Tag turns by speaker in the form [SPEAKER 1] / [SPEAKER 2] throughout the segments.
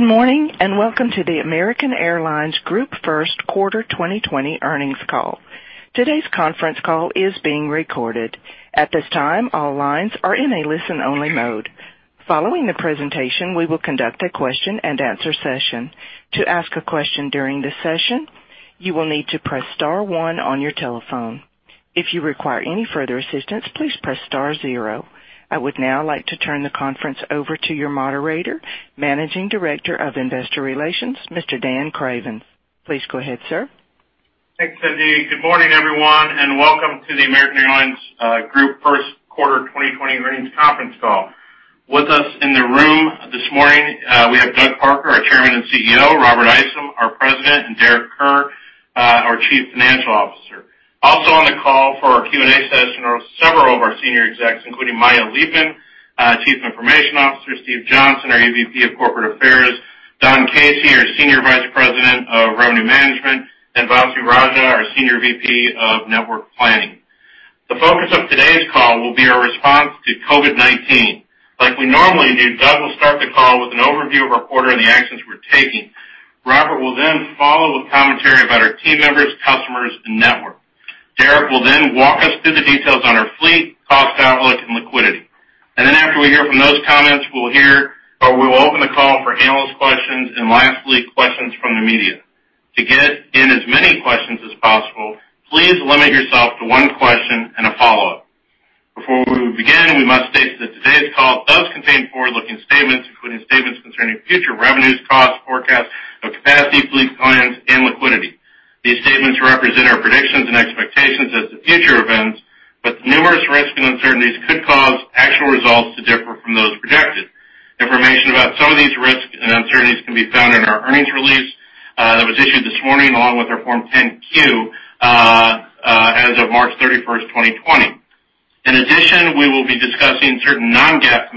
[SPEAKER 1] Good morning. Welcome to the American Airlines Group First Quarter 2020 earnings call. Today's conference call is being recorded. At this time, all lines are in a listen-only mode. Following the presentation, we will conduct a question-and-answer session. To ask a question during the session, you will need to press star one on your telephone. If you require any further assistance, please press star zero. I would now like to turn the conference over to your moderator, Managing Director of Investor Relations, Mr. Dan Cravens. Please go ahead, sir.
[SPEAKER 2] Thanks, Cindy. Good morning, everyone, and welcome to the American Airlines Group First Quarter 2020 earnings conference call. With us in the room this morning, we have Doug Parker, our Chairman and CEO, Rob Isom, our President, and Derek Kerr, our Chief Financial Officer. Also on the call for our Q and A session are several of our senior execs, including Maya Leibman, Chief Information Officer, Steve Johnson, our EVP of Corporate Affairs, Don Casey, our Senior Vice President of Revenue Management, and Vasu Raja, our Senior VP of Network Planning. The focus of today's call will be our response to COVID-19. Like we normally do, Doug will start the call with an overview of our quarter and the actions we're taking. Robert will then follow with commentary about our team members, customers, and network. Derek will then walk us through the details on our fleet, cost outlook, and liquidity. After we hear from those comments, we will open the call for analyst questions and lastly, questions from the media. To get in as many questions as possible, please limit yourself to one question and a follow-up. Before we begin, we must state that today's call does contain forward-looking statements, including statements concerning future revenues, costs, forecasts of capacity, fleet plans, and liquidity. These statements represent our predictions and expectations as to future events, numerous risks and uncertainties could cause actual results to differ from those projected. Information about some of these risks and uncertainties can be found in our earnings release that was issued this morning, along with our Form 10-Q as of March 31st, 2020. In addition, we will be discussing certain non-GAAP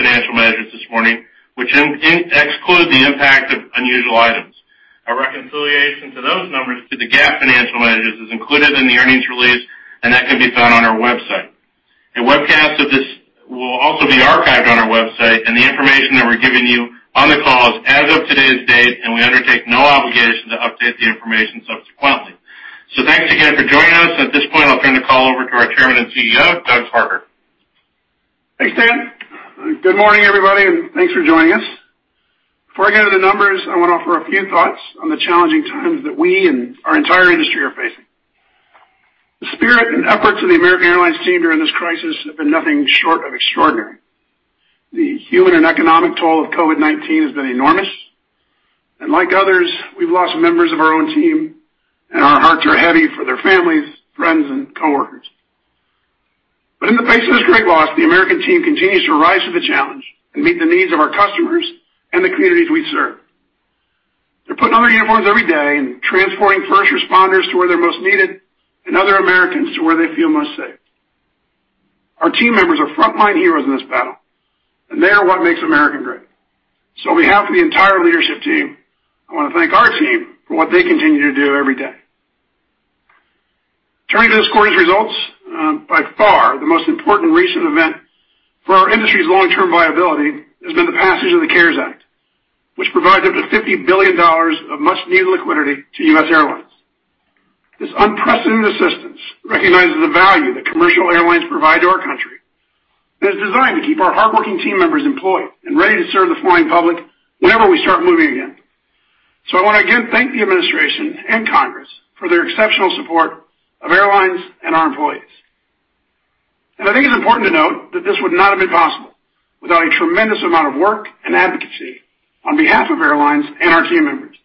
[SPEAKER 2] financial measures this morning, which exclude the impact of unusual items. A reconciliation to those numbers to the GAAP financial measures is included in the earnings release. That can be found on our website. A webcast of this will also be archived on our website. The information that we're giving you on the call is as of today's date. We undertake no obligation to update the information subsequently. Thanks again for joining us. At this point, I'll turn the call over to our Chairman and CEO, Doug Parker.
[SPEAKER 3] Thanks, Dan. Good morning, everybody, and thanks for joining us. Before I get into the numbers, I want to offer a few thoughts on the challenging times that we and our entire industry are facing. The spirit and efforts of the American Airlines team during this crisis have been nothing short of extraordinary. The human and economic toll of COVID-19 has been enormous, and like others, we've lost members of our own team, and our hearts are heavy for their families, friends, and coworkers. In the face of this great loss, the American team continues to rise to the challenge and meet the needs of our customers and the communities we serve. They're putting on their uniforms every day and transporting first responders to where they're most needed and other Americans to where they feel most safe. Our team members are frontline heroes in this battle, and they are what makes American great. On behalf of the entire leadership team, I want to thank our team for what they continue to do every day. Turning to this quarter's results, by far, the most important recent event for our industry's long-term viability has been the passage of the CARES Act, which provides up to $50 billion of much-needed liquidity to U.S. airlines. This unprecedented assistance recognizes the value that commercial airlines provide to our country and is designed to keep our hardworking team members employed and ready to serve the flying public whenever we start moving again. I want to again thank the Administration and Congress for their exceptional support of airlines and our employees. I think it's important to note that this would not have been possible without a tremendous amount of work and advocacy on behalf of airlines and our team members.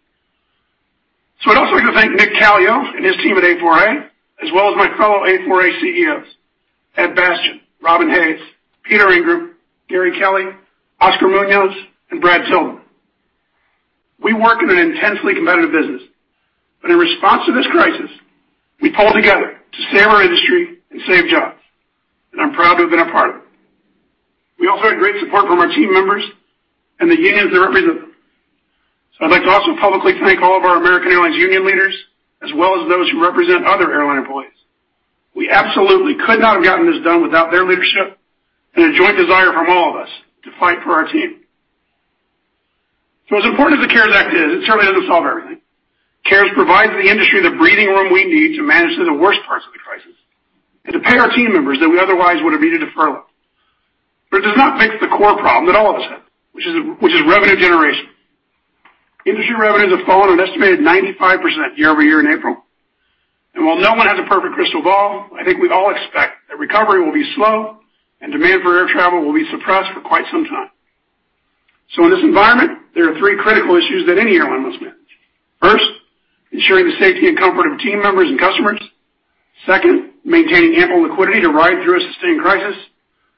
[SPEAKER 3] I'd also like to thank Nick Calio and his team at A4A, as well as my fellow A4A CEOs, Ed Bastian, Robin Hayes, Peter Ingram, Gary Kelly, Oscar Munoz, and Brad Tilden. We work in an intensely competitive business, but in response to this crisis, we pulled together to save our industry and save jobs, and I'm proud to have been a part of it. We also had great support from our team members and the unions that represent them. I'd like to also publicly thank all of our American Airlines union leaders, as well as those who represent other airline employees. We absolutely could not have gotten this done without their leadership and a joint desire from all of us to fight for our team. As important as the CARES Act is, it certainly doesn't solve everything. CARES provides the industry the breathing room we need to manage through the worst parts of the crisis and to pay our team members that we otherwise would have needed to furlough. It does not fix the core problem that all of us have, which is revenue generation. Industry revenues have fallen an estimated 95% year-over-year in April. While no one has a perfect crystal ball, I think we all expect that recovery will be slow and demand for air travel will be suppressed for quite some time. In this environment, there are three critical issues that any airline must manage. First, ensuring the safety and comfort of team members and customers. Second, maintaining ample liquidity to ride through a sustained crisis.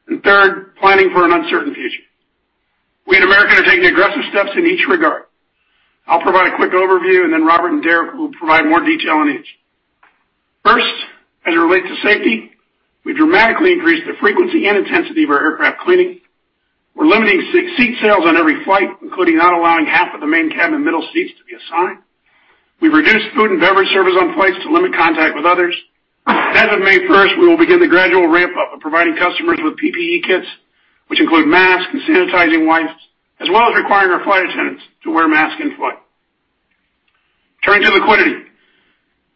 [SPEAKER 3] Third, planning for an uncertain future. We at American are taking aggressive steps in each regard. I'll provide a quick overview, and then Robert and Derek will provide more detail on each. First, as it relates to safety, we dramatically increased the frequency and intensity of our aircraft cleaning. We're limiting seat sales on every flight, including not allowing half of the main cabin middle seats to be assigned. We've reduced food and beverage service on flights to limit contact with others. As of May 1st, we will begin the gradual ramp-up of providing customers with PPE kits, which include masks and sanitizing wipes, as well as requiring our flight attendants to wear masks in flight. Turning to liquidity.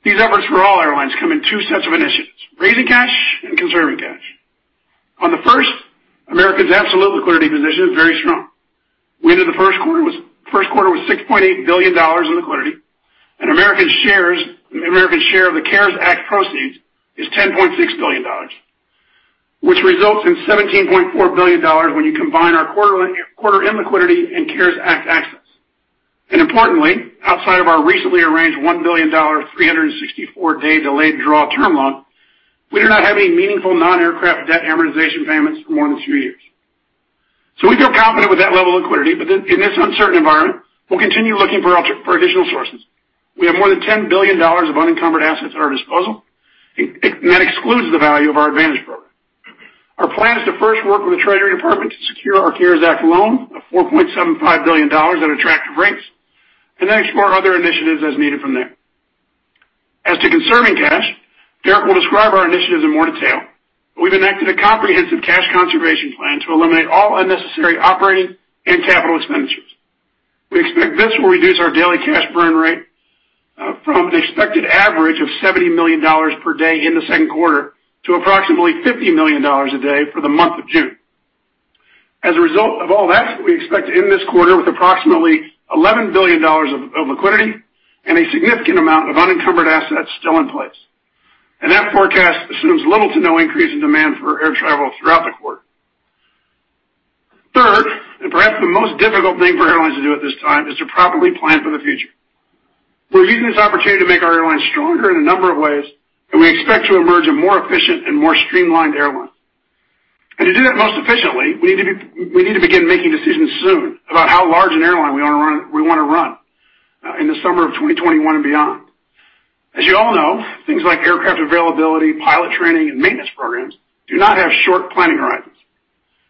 [SPEAKER 3] These efforts for all airlines come in two sets of initiatives, raising cash and conserving cash. On the first, American's absolute liquidity position is very strong. We entered the first quarter with $6.8 billion in liquidity and American's share of the CARES Act proceeds is $10.6 billion, which results in $17.4 billion when you combine our quarter-end liquidity and CARES Act access. Importantly, outside of our recently arranged $1 billion, 364-day delayed draw term loan, we do not have any meaningful non-aircraft debt amortization payments for more than two years. We feel confident with that level of liquidity, but in this uncertain environment, we'll continue looking for additional sources. We have more than $10 billion of unencumbered assets at our disposal, and that excludes the value of our AAdvantage program. Our plan is to first work with the Treasury Department to secure our CARES Act loan of $4.75 billion at attractive rates, then explore other initiatives as needed from there. As to conserving cash, Derek will describe our initiatives in more detail. We've enacted a comprehensive cash conservation plan to eliminate all unnecessary operating and capital expenditures. We expect this will reduce our daily cash burn rate from an expected average of $70 million per day in the second quarter to approximately $50 million a day for the month of June. As a result of all that, we expect to end this quarter with approximately $11 billion of liquidity and a significant amount of unencumbered assets still in place. That forecast assumes little to no increase in demand for air travel throughout the quarter. Third, perhaps the most difficult thing for airlines to do at this time, is to properly plan for the future. We're using this opportunity to make our airline stronger in a number of ways, and we expect to emerge a more efficient and more streamlined airline. To do that most efficiently, we need to begin making decisions soon about how large an airline we want to run in the summer of 2021 and beyond. As you all know, things like aircraft availability, pilot training, and maintenance programs do not have short planning horizons.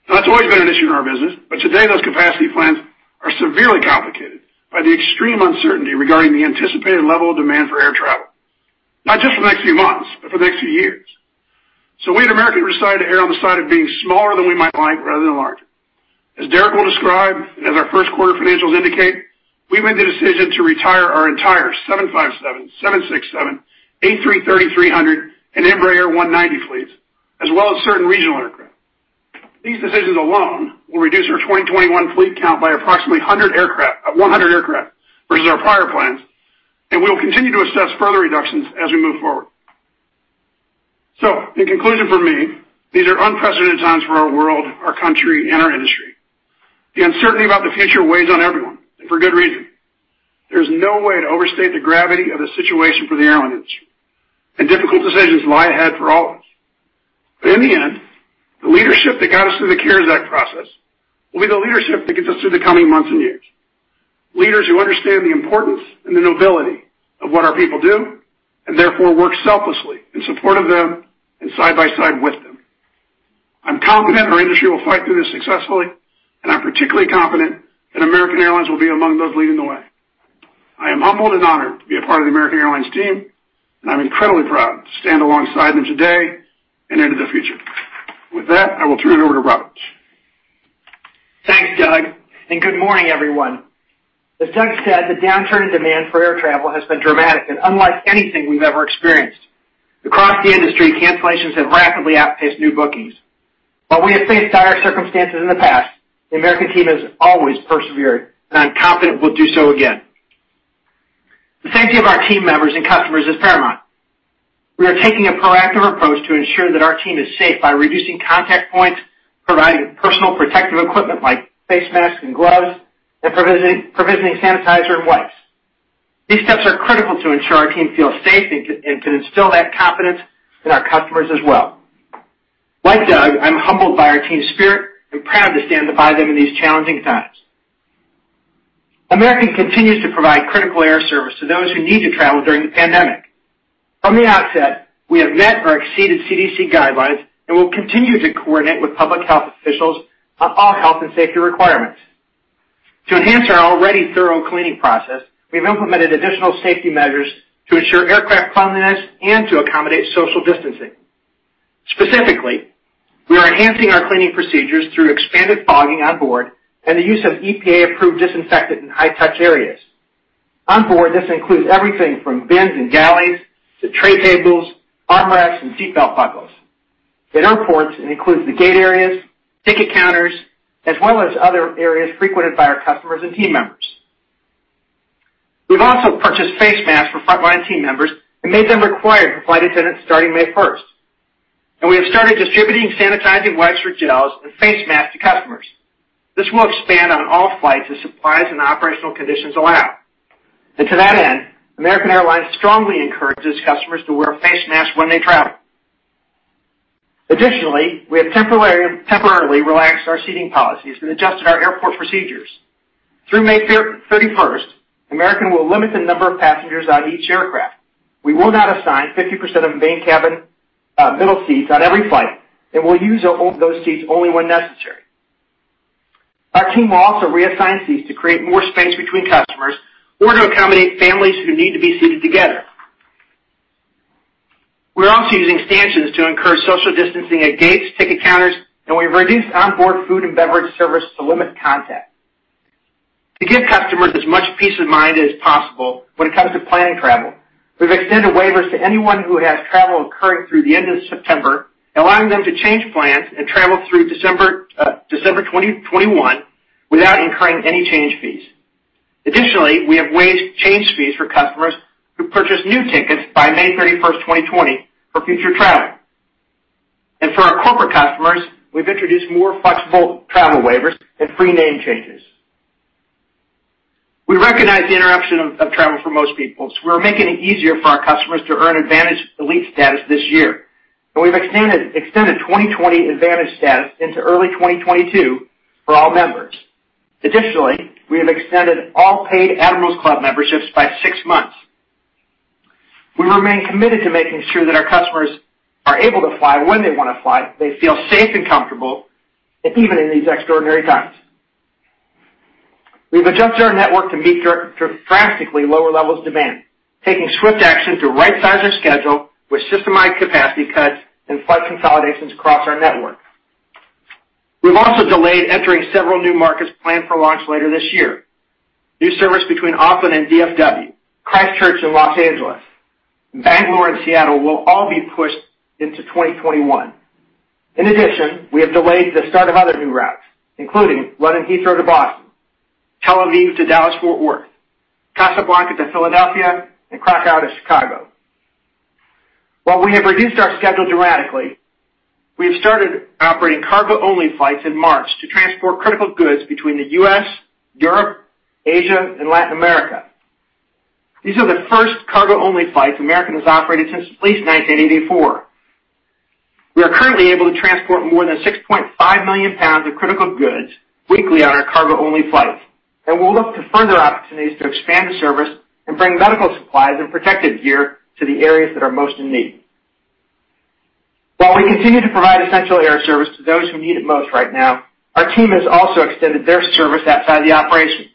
[SPEAKER 3] That's always been an issue in our business, but today those capacity plans are severely complicated by the extreme uncertainty regarding the anticipated level of demand for air travel. Not just for the next few months, but for the next few years. We at American have decided to err on the side of being smaller than we might like rather than larger. As Derek will describe, and as our first quarter financials indicate, we've made the decision to retire our entire 757, 767, A330-300, and Embraer 190 fleets, as well as certain regional aircraft. These decisions alone will reduce our 2021 fleet count by approximately 100 aircraft versus our prior plans, and we will continue to assess further reductions as we move forward. In conclusion from me, these are unprecedented times for our world, our country, and our industry. The uncertainty about the future weighs on everyone, and for good reason. There's no way to overstate the gravity of the situation for the airline industry, and difficult decisions lie ahead for all of us. In the end, the leadership that got us through the CARES Act process will be the leadership that gets us through the coming months and years. Leaders who understand the importance and the nobility of what our people do, and therefore work selflessly in support of them and side by side with them. I'm confident our industry will fight through this successfully, and I'm particularly confident that American Airlines will be among those leading the way. I am humbled and honored to be a part of the American Airlines team, and I'm incredibly proud to stand alongside them today and into the future. With that, I will turn it over to Rob.
[SPEAKER 4] Thanks, Doug. Good morning, everyone. As Doug said, the downturn in demand for air travel has been dramatic and unlike anything we've ever experienced. Across the industry, cancellations have rapidly outpaced new bookings. While we have faced dire circumstances in the past, the American team has always persevered. I'm confident we'll do so again. The safety of our team members and customers is paramount. We are taking a proactive approach to ensure that our team is safe by reducing contact points, providing personal protective equipment like face masks and gloves, and provisioning sanitizer and wipes. These steps are critical to ensure our team feels safe and to instill that confidence in our customers as well. Like Doug, I'm humbled by our team's spirit and proud to stand by them in these challenging times. American continues to provide critical air service to those who need to travel during the pandemic. From the outset, we have met or exceeded CDC guidelines and will continue to coordinate with public health officials on all health and safety requirements. To enhance our already thorough cleaning process, we've implemented additional safety measures to ensure aircraft cleanliness and to accommodate social distancing. Specifically, we are enhancing our cleaning procedures through expanded fogging on board and the use of EPA-approved disinfectant in high-touch areas. On board, this includes everything from bins and galleys to tray tables, armrests, and seat belt buckles. In airports, it includes the gate areas, ticket counters, as well as other areas frequented by our customers and team members. We've also purchased face masks for frontline team members and made them required for flight attendants starting May 1st. We have started distributing sanitizing wipes or gels and face masks to customers. This will expand on all flights as supplies and operational conditions allow. To that end, American Airlines strongly encourages customers to wear face masks when they travel. Additionally, we have temporarily relaxed our seating policies and adjusted our airport procedures. Through May 31st, American will limit the number of passengers on each aircraft. We will not assign 50% of main cabin middle seats on every flight, and we'll use those seats only when necessary. Our team will also reassign seats to create more space between customers or to accommodate families who need to be seated together. We're also using stanchions to encourage social distancing at gates, ticket counters, and we've reduced onboard food and beverage service to limit contact. To give customers as much peace of mind as possible when it comes to planning travel, we've extended waivers to anyone who has travel occurring through the end of September, allowing them to change plans and travel through December 2021 without incurring any change fees. We have waived change fees for customers who purchase new tickets by May 31st, 2020 for future travel. For our corporate customers, we've introduced more flexible travel waivers and free name changes. We recognize the interruption of travel for most people, so we're making it easier for our customers to earn AAdvantage Elite status this year, and we've extended 2020 AAdvantage status into early 2022 for all members. We have extended all paid Admirals Club memberships by six months. We remain committed to making sure that our customers are able to fly when they want to fly, they feel safe and comfortable, even in these extraordinary times. We've adjusted our network to meet drastically lower levels of demand, taking swift action to right-size our schedule with system-wide capacity cuts and flight consolidations across our network. We've also delayed entering several new markets planned for launch later this year. New service between Austin and DFW, Christchurch and Los Angeles, Bangalore and Seattle will all be pushed into 2021. We have delayed the start of other new routes, including London Heathrow to Boston, Tel Aviv to Dallas Fort Worth, Casablanca to Philadelphia, and Krakow to Chicago. While we have reduced our schedule dramatically, we have started operating cargo-only flights in March to transport critical goods between the U.S., Europe, Asia, and Latin America. These are the first cargo-only flights American Airlines has operated since at least 1984. We are currently able to transport more than 6.5 million pounds of critical goods weekly on our cargo-only flights, and we'll look to further opportunities to expand the service and bring medical supplies and protective gear to the areas that are most in need. While we continue to provide essential air service to those who need it most right now, our team has also extended their service outside the operation.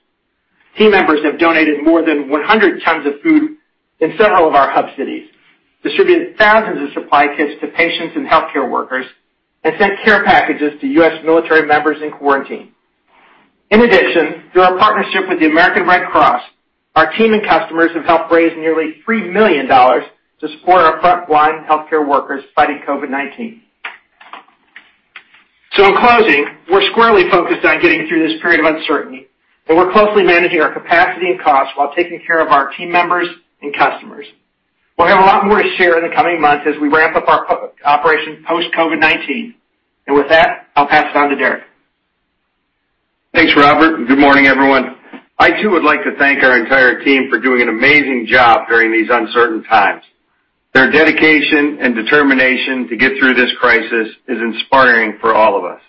[SPEAKER 4] Team members have donated more than 100 tons of food in several of our hub cities, distributed thousands of supply kits to patients and healthcare workers, and sent care packages to U.S. military members in quarantine. In addition, through our partnership with the American Red Cross, our team and customers have helped raise nearly $3 million to support our front line healthcare workers fighting COVID-19. In closing, we're squarely focused on getting through this period of uncertainty, and we're closely managing our capacity and costs while taking care of our team members and customers. We'll have a lot more to share in the coming months as we ramp up our operations post COVID-19. With that, I'll pass it on to Derek.
[SPEAKER 5] Thanks, Robert. Good morning, everyone. I, too, would like to thank our entire team for doing an amazing job during these uncertain times. Their dedication and determination to get through this crisis is inspiring for all of us.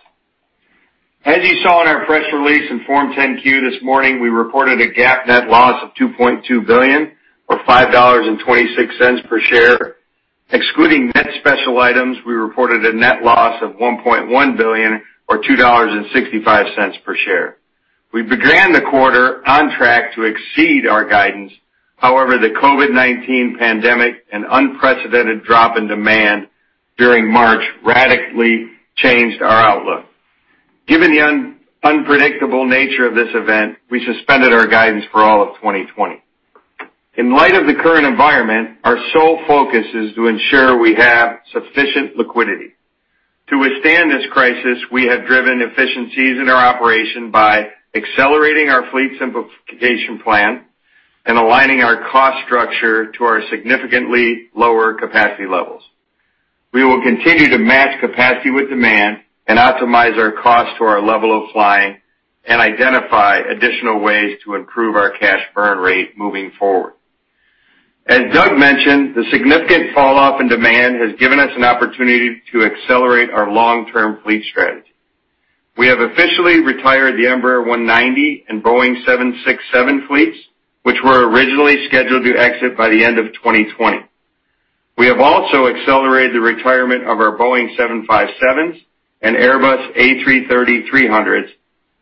[SPEAKER 5] As you saw in our press release and Form 10-Q this morning, we reported a GAAP net loss of $2.2 billion or $5.26 per share. Excluding net special items, we reported a net loss of $1.1 billion or $2.65 per share. We began the quarter on track to exceed our guidance. The COVID-19 pandemic and unprecedented drop in demand during March radically changed our outlook. Given the unpredictable nature of this event, we suspended our guidance for all of 2020. In light of the current environment, our sole focus is to ensure we have sufficient liquidity. To withstand this crisis, we have driven efficiencies in our operation by accelerating our fleet simplification plan and aligning our cost structure to our significantly lower capacity levels. We will continue to match capacity with demand and optimize our cost to our level of flying and identify additional ways to improve our cash burn rate moving forward. As Doug mentioned, the significant falloff in demand has given us an opportunity to accelerate our long-term fleet strategy. We have officially retired the Embraer 190 and Boeing 767 fleets, which were originally scheduled to exit by the end of 2020. We have also accelerated the retirement of our Boeing 757s and Airbus A330-300s.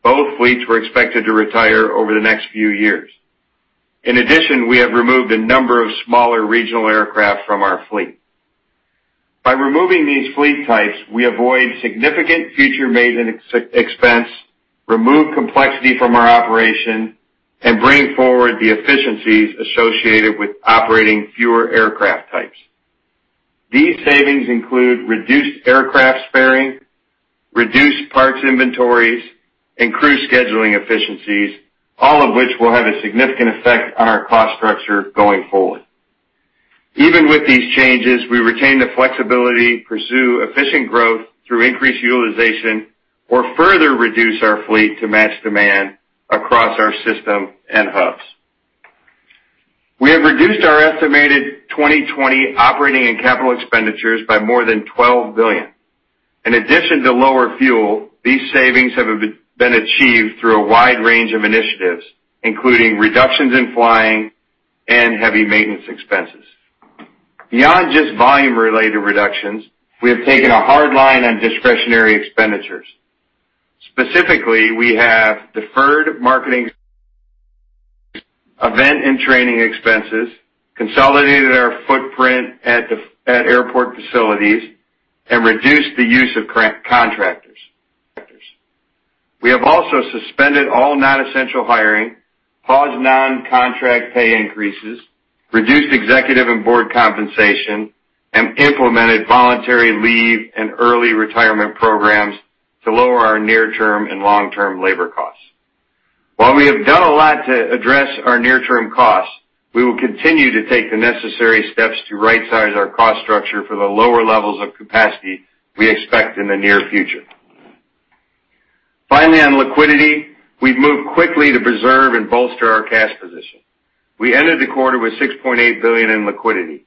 [SPEAKER 5] Both fleets were expected to retire over the next few years. We have removed a number of smaller regional aircraft from our fleet. By removing these fleet types, we avoid significant future maintenance expense, remove complexity from our operation, and bring forward the efficiencies associated with operating fewer aircraft types. These savings include reduced aircraft sparing, reduced parts inventories, and crew scheduling efficiencies, all of which will have a significant effect on our cost structure going forward. Even with these changes, we retain the flexibility to pursue efficient growth through increased utilization or further reduce our fleet to match demand across our system and hubs. We have reduced our estimated 2020 operating and capital expenditures by more than $12 billion. In addition to lower fuel, these savings have been achieved through a wide range of initiatives, including reductions in flying and heavy maintenance expenses. Beyond just volume-related reductions, we have taken a hard line on discretionary expenditures. Specifically, we have deferred marketing, event and training expenses, consolidated our footprint at airport facilities, and reduced the use of contractors. We have also suspended all non-essential hiring, paused non-contract pay increases, reduced executive and board compensation, and implemented voluntary leave and early retirement programs to lower our near-term and long-term labor costs. While we have done a lot to address our near-term costs, we will continue to take the necessary steps to right-size our cost structure for the lower levels of capacity we expect in the near future. On liquidity, we've moved quickly to preserve and bolster our cash position. We ended the quarter with $6.8 billion in liquidity.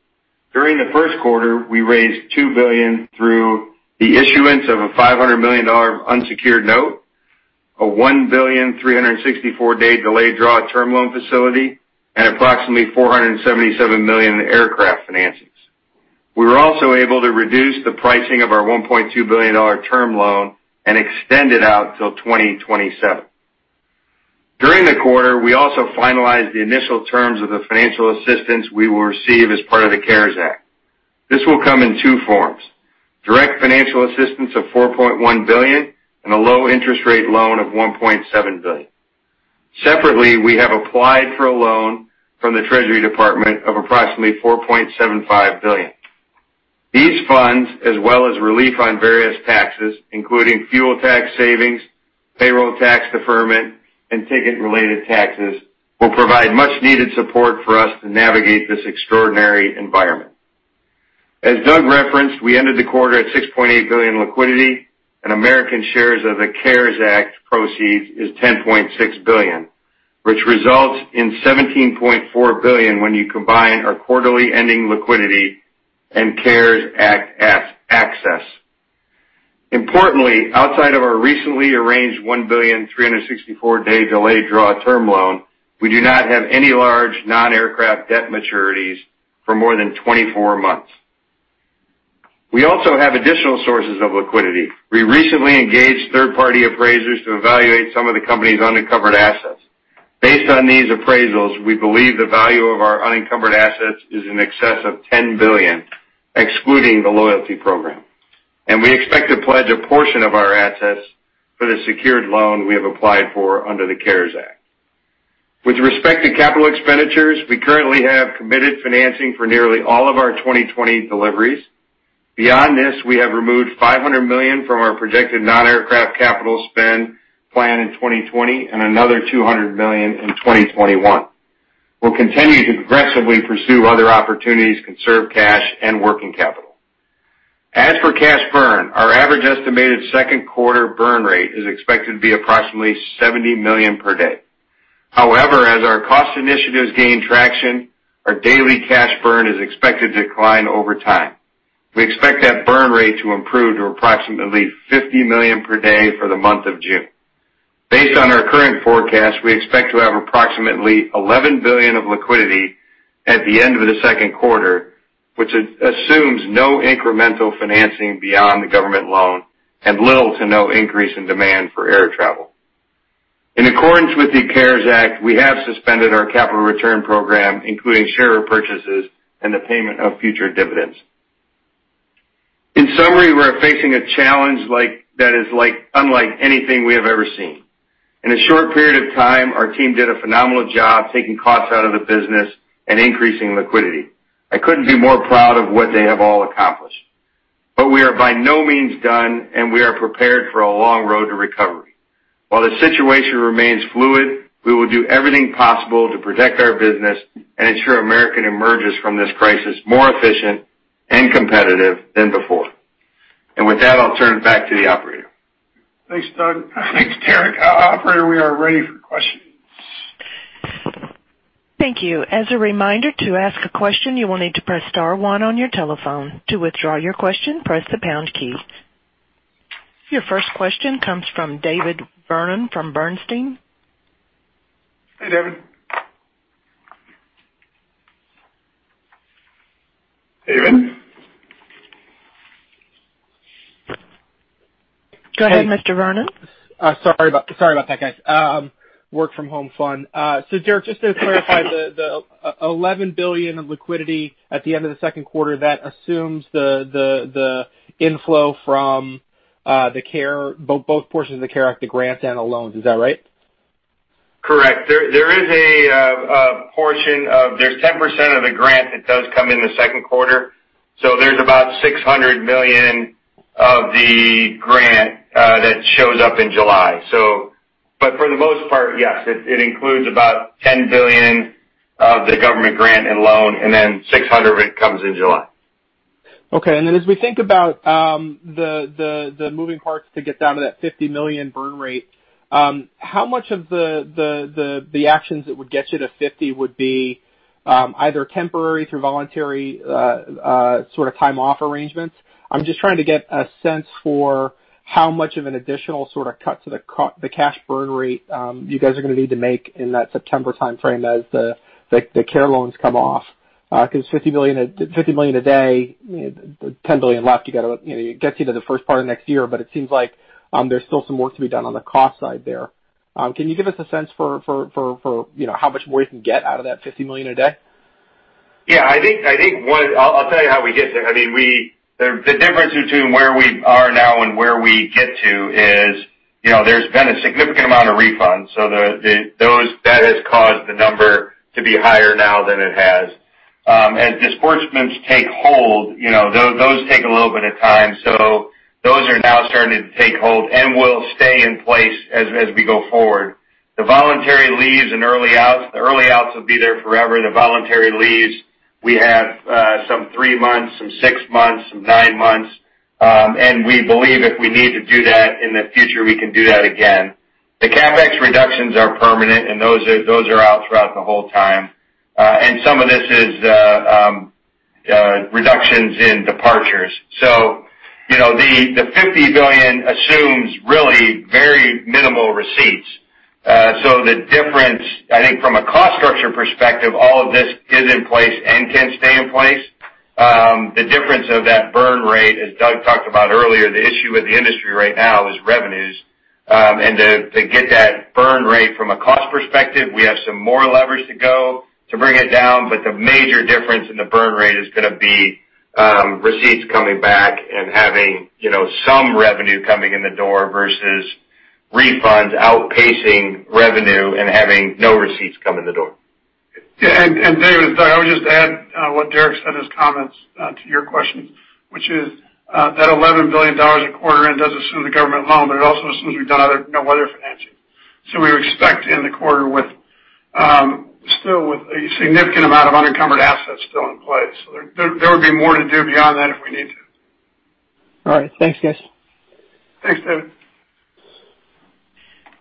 [SPEAKER 5] During the first quarter, we raised $2 billion through the issuance of a $500 million unsecured note, a $1 billion 364-day delayed draw term loan facility, and approximately $477 million in aircraft financings. We were also able to reduce the pricing of our $1.2 billion term loan and extend it out till 2027. During the quarter, we also finalized the initial terms of the financial assistance we will receive as part of the CARES Act. This will come in two forms, direct financial assistance of $4.1 billion, and a low-interest rate loan of $1.7 billion. Separately, we have applied for a loan from the Treasury Department of approximately $4.75 billion. These funds, as well as relief on various taxes, including fuel tax savings, payroll tax deferment, and ticket-related taxes, will provide much needed support for us to navigate this extraordinary environment. As Doug referenced, we ended the quarter at $6.8 billion liquidity and American shares of the CARES Act proceeds is $10.6 billion, which results in $17.4 billion when you combine our quarterly ending liquidity and CARES Act access. Importantly, outside of our recently arranged $1 billion in 364-day delayed draw term loan, we do not have any large non-aircraft debt maturities for more than 24 months. We also have additional sources of liquidity. We recently engaged third-party appraisers to evaluate some of the company's unencumbered assets. Based on these appraisals, we believe the value of our unencumbered assets is in excess of $10 billion, excluding the loyalty program, and we expect to pledge a portion of our assets for the secured loan we have applied for under the CARES Act. With respect to capital expenditures, we currently have committed financing for nearly all of our 2020 deliveries. Beyond this, we have removed $500 million from our projected non-aircraft capital spend plan in 2020 and another $200 million in 2021. We'll continue to aggressively pursue other opportunities to conserve cash and working capital. As for cash burn, our average estimated second quarter burn rate is expected to be approximately $70 million per day. However, as our cost initiatives gain traction, our daily cash burn is expected to decline over time. We expect that burn rate to improve to approximately $50 million per day for the month of June. Based on our current forecast, we expect to have approximately $11 billion of liquidity at the end of the second quarter, which assumes no incremental financing beyond the government loan and little to no increase in demand for air travel. In accordance with the CARES Act, we have suspended our capital return program, including share purchases and the payment of future dividends. In summary, we're facing a challenge that is unlike anything we have ever seen. In a short period of time, our team did a phenomenal job taking costs out of the business and increasing liquidity. I couldn't be more proud of what they have all accomplished. We are by no means done, and we are prepared for a long road to recovery. While the situation remains fluid, we will do everything possible to protect our business and ensure American emerges from this crisis more efficient and competitive than before. With that, I'll turn it back to the operator.
[SPEAKER 3] Thanks, Doug. Thanks, Derek. Operator, we are ready for questions.
[SPEAKER 1] Thank you. As a reminder, to ask a question, you will need to press star one on your telephone. To withdraw your question, press the pound key. Your first question comes from David Vernon from Bernstein.
[SPEAKER 3] Hi, David.
[SPEAKER 5] Hey, David.
[SPEAKER 1] Go ahead, Mr. Vernon.
[SPEAKER 6] Sorry about that, guys. Work from home fun. Derek, just to clarify the $11 billion of liquidity at the end of the second quarter, that assumes the inflow from both portions of the CARES Act, the grants and the loans. Is that right?
[SPEAKER 5] Correct. There's 10% of the grant that does come in the second quarter. There's about $600 million of the grant that shows up in July. For the most part, yes, it includes about $10 billion of the government grant and loan, $600 million comes in July.
[SPEAKER 6] Okay. As we think about the moving parts to get down to that $50 million burn rate, how much of the actions that would get you to 50 would be either temporary through voluntary sort of time-off arrangements? I'm just trying to get a sense for how much of an additional sort of cut to the cash burn rate you guys are going to need to make in that September timeframe as the CARES loans come off. $50 million a day, $10 billion left, it gets you to the first part of next year, it seems like there's still some work to be done on the cost side there. Can you give us a sense for how much more you can get out of that $50 million a day?
[SPEAKER 5] I'll tell you how we get there. The difference between where we are now and where we get to is, there's been a significant amount of refunds. That has caused the number to be higher now than it has. As disbursements take hold, those take a little bit of time. Those are now starting to take hold and will stay in place as we go forward. The voluntary leaves and early outs, the early outs will be there forever. The voluntary leaves, we have some three months, some six months, some nine months. We believe if we need to do that in the future, we can do that again. The CapEx reductions are permanent, and those are out throughout the whole time. Some of this is reductions in departures. The $50 billion assumes really very minimal receipts. The difference, I think from a cost structure perspective, all of this is in place and can stay in place. The difference of that burn rate, as Doug talked about earlier, the issue with the industry right now is revenues. To get that burn rate from a cost perspective, we have some more leverage to go to bring it down, but the major difference in the burn rate is going to be receipts coming back and having some revenue coming in the door versus refunds outpacing revenue and having no receipts come in the door.
[SPEAKER 3] David, I would just add, what Derek said, his comments to your question, which is, that $11 billion a quarter in does assume the government loan, but it also assumes we've done no other financing. We expect to end the quarter still with a significant amount of unencumbered assets still in place. There would be more to do beyond that if we need to.
[SPEAKER 6] All right. Thanks, guys.
[SPEAKER 3] Thanks, David.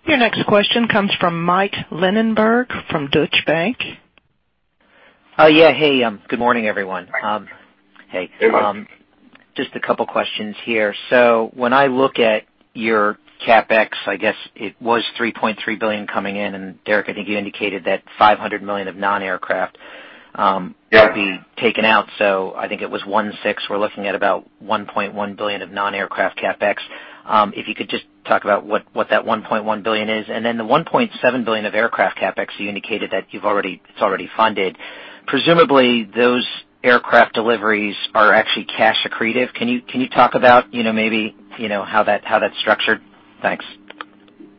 [SPEAKER 1] Your next question comes from Michael Linenberg from Deutsche Bank.
[SPEAKER 7] Yeah. Hey, good morning, everyone.
[SPEAKER 5] Hey, Mike.
[SPEAKER 7] Just a couple of questions here. When I look at your CapEx, I guess it was $3.3 billion coming in, Derek, I think you indicated that $500 million of non-aircraft-
[SPEAKER 5] Yeah
[SPEAKER 7] Would be taken out. I think it was $1.6. We're looking at about $1.1 billion of non-aircraft CapEx. If you could just talk about what that $1.1 billion is, and then the $1.7 billion of aircraft CapEx, you indicated that it's already funded. Presumably, those aircraft deliveries are actually cash accretive. Can you talk about maybe how that's structured? Thanks.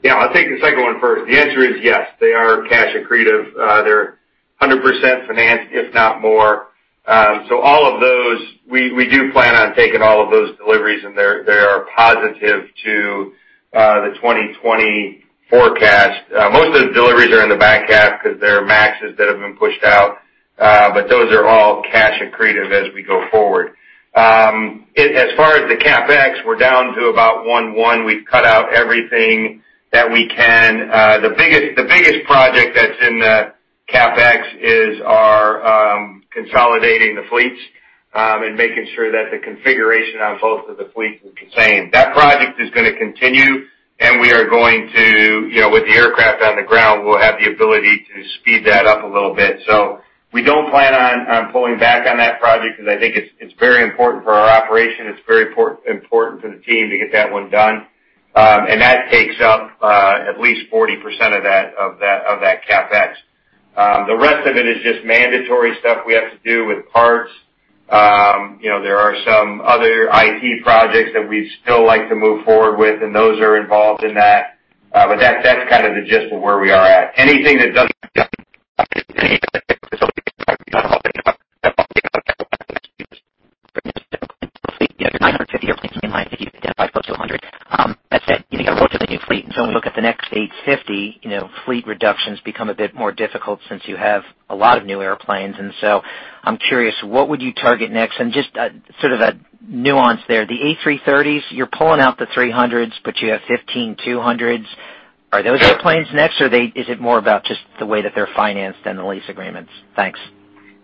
[SPEAKER 5] Yeah. I'll take the second one first. The answer is yes, they are cash accretive. They're 100% financed, if not more. All of those, we do plan on taking all of those deliveries, and they are positive to the 2020 forecast. Most of the deliveries are in the back half because there are MAXes that have been pushed out. Those are all cash accretive as we go forward. As far as the CapEx, we're down to about $1.1. We've cut out everything that we can. The biggest project that's in the CapEx is our consolidating the fleets, and making sure that the configuration on both of the fleets is the same. That project is going to continue, and we are going to, with the aircraft on the ground, we'll have the ability to speed that up a little bit. We don't plan on pulling back on that project because I think it's very important for our operation. It's very important for the team to get that one done. That takes up at least 40% of that CapEx. The rest of it is just mandatory stuff we have to do with parts. There are some other IT projects that we'd still like to move forward with, and those are involved in that. That's kind of the gist of where we are at. Anything that doesn't get done
[SPEAKER 7] You have your 950 airplanes in line, if you get down by close to 100. That said, you got to go to the new fleet. When we look at the next A350, fleet reductions become a bit more difficult since you have a lot of new airplanes, and so I'm curious, what would you target next? Just sort of that nuance there. The A330s, you're pulling out the 300s, but you have 15 200s. Are those the planes next, or is it more about just the way that they're financed and the lease agreements? Thanks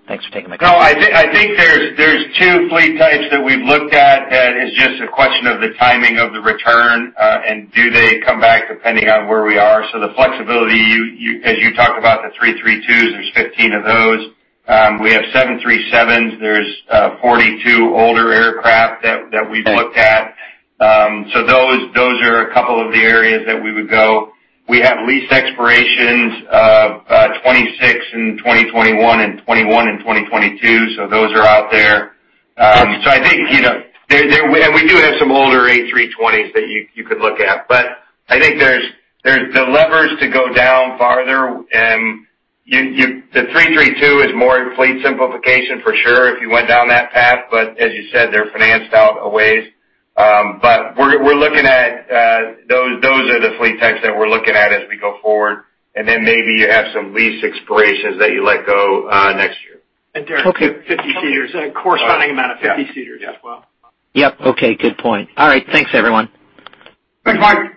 [SPEAKER 7] for taking my call.
[SPEAKER 5] I think there's two fleet types that we've looked at that is just a question of the timing of the return, and do they come back depending on where we are. The flexibility, as you talked about the 332s, there's 15 of those. We have 737s. There's 42 older aircraft that we've looked at. Those are a couple of the areas that we would go. We have lease expirations of 26 in 2021 and 21 in 2022, so those are out there. We do have some older A320s that you could look at. I think the levers to go down farther, the 332 is more fleet simplification for sure if you went down that path, but as you said, they're financed out a ways. Those are the fleet types that we're looking at as we go forward. Maybe you have some lease expirations that you let go next year.
[SPEAKER 3] And Derek-
[SPEAKER 7] Okay.
[SPEAKER 3] 50-seaters, a corresponding amount of 50-seaters as well.
[SPEAKER 7] Yep. Okay. Good point. All right. Thanks, everyone.
[SPEAKER 5] Thanks, Mike.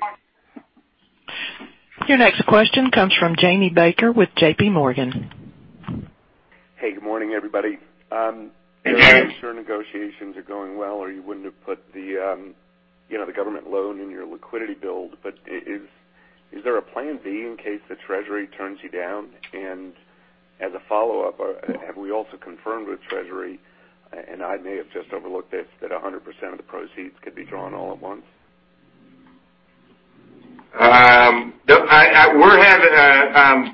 [SPEAKER 1] Your next question comes from Jamie Baker with JPMorgan.
[SPEAKER 8] Hey, good morning, everybody.
[SPEAKER 5] Hey, Jamie.
[SPEAKER 8] I'm sure negotiations are going well, or you wouldn't have put the government loan in your liquidity build, but Is there a plan B in case the Treasury turns you down? As a follow-up, have we also confirmed with Treasury, and I may have just overlooked this, that 100% of the proceeds could be drawn all at once?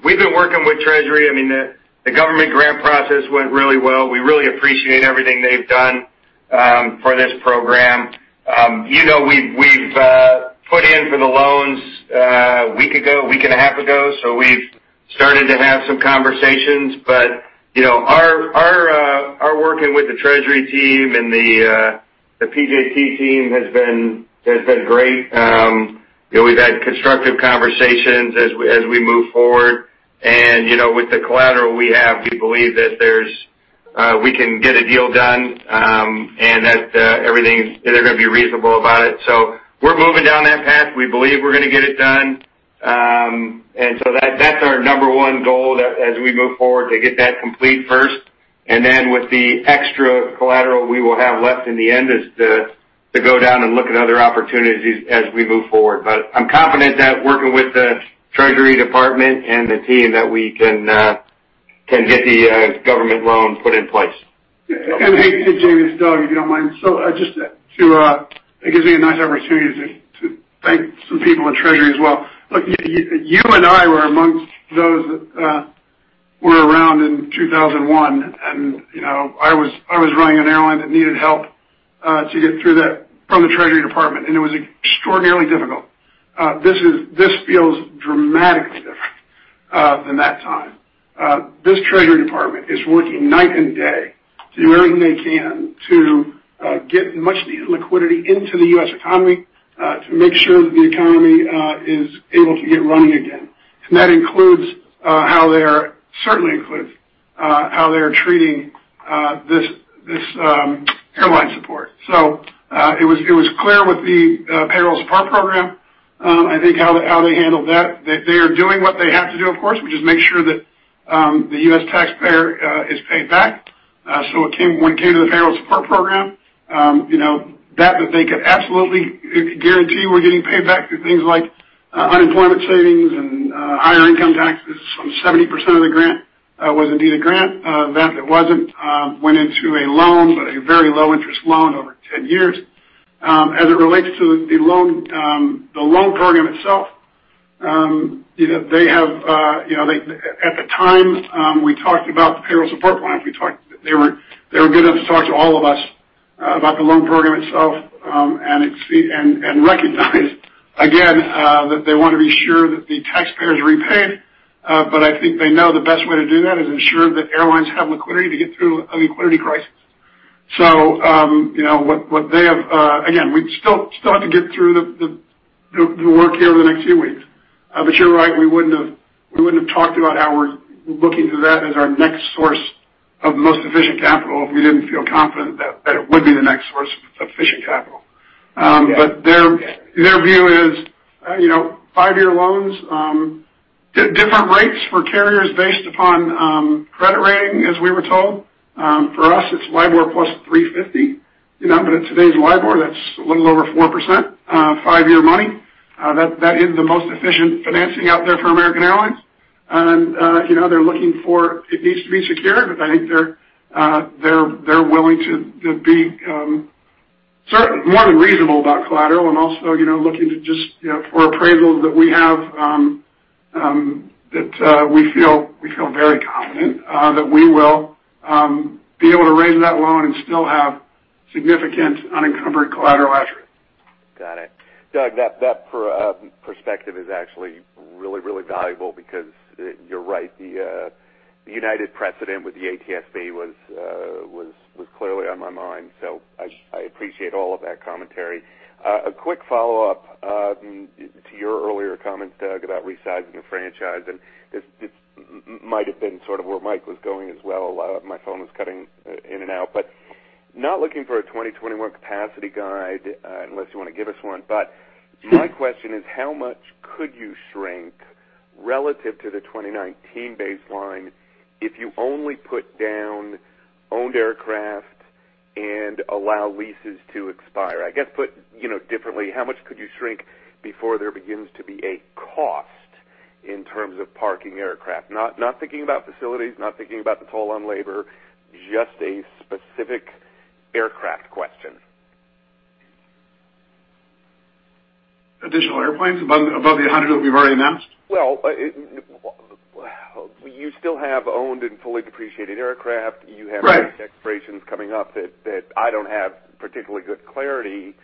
[SPEAKER 5] We've been working with Treasury. The government grant process went really well. We really appreciate everything they've done for this program. We've put in for the loans a week ago, a week and a half ago. We've started to have some conversations. Our working with the Treasury team and the PJT team has been great. We've had constructive conversations as we move forward. With the collateral we have, we believe that we can get a deal done, and that they're going to be reasonable about it. We're moving down that path. We believe we're going to get it done. That's our number one goal as we move forward, to get that complete first, and then with the extra collateral we will have left in the end is to go down and look at other opportunities as we move forward. I'm confident that working with the Treasury Department and the team that we can get the government loan put in place.
[SPEAKER 3] Hey, Jamie, it's Doug, if you don't mind. It gives me a nice opportunity to thank some people in Treasury as well. Look, you and I were amongst those that were around in 2001, and I was running an airline that needed help to get through that from the Treasury Department, and it was extraordinarily difficult. This feels dramatically different than that time. This Treasury Department is working night and day to do everything they can to get much needed liquidity into the U.S. economy, to make sure that the economy is able to get running again. That certainly includes how they are treating this airline support. It was clear with the Payroll Support Program, I think how they handled that they are doing what they have to do, of course, which is make sure that the U.S. taxpayer is paid back. When it came to the Payroll Support Program that they could absolutely guarantee we're getting paid back through things like unemployment savings and higher income taxes from 70% of the grant was indeed a grant. That wasn't went into a loan, but a very low-interest loan over 10 years. As it relates to the loan program itself, at the time we talked about the Payroll Support Program, they were good enough to talk to all of us about the loan program itself, and recognize again, that they want to be sure that the taxpayer is repaid. I think they know the best way to do that is ensure that airlines have liquidity to get through a liquidity crisis. Again, we still have to get through the work here over the next few weeks. You're right, we wouldn't have talked about how we're looking to that as our next source of most efficient capital if we didn't feel confident that it would be the next source of efficient capital. Their view is five-year loans, different rates for carriers based upon credit rating, as we were told. For us, it's LIBOR plus 350. In today's LIBOR, that's a little over 4% five-year money. That is the most efficient financing out there for American Airlines. They're looking for it needs to be secured, but I think they're willing to be more than reasonable about collateral and also looking to just for appraisals that we have that we feel very confident that we will be able to raise that loan and still have significant unencumbered collateral after it.
[SPEAKER 8] Got it. Doug, that perspective is actually really valuable because you're right, the United precedent with the ATSB was clearly on my mind. I appreciate all of that commentary. A quick follow-up to your earlier comment, Doug, about resizing the franchise, and this might have been sort of where Mike was going as well. My phone was cutting in and out, not looking for a 2021 capacity guide, unless you want to give us one. My question is, how much could you shrink relative to the 2019 baseline if you only put down owned aircraft and allow leases to expire? I guess put differently, how much could you shrink before there begins to be a cost in terms of parking aircraft? Not thinking about facilities, not thinking about the toll on labor, just a specific aircraft question.
[SPEAKER 3] Additional airplanes above the 100 that we've already announced?
[SPEAKER 8] Well, you still have owned and fully depreciated aircraft.
[SPEAKER 3] Right.
[SPEAKER 8] You have lease expirations coming up that I don't have particularly good clarity.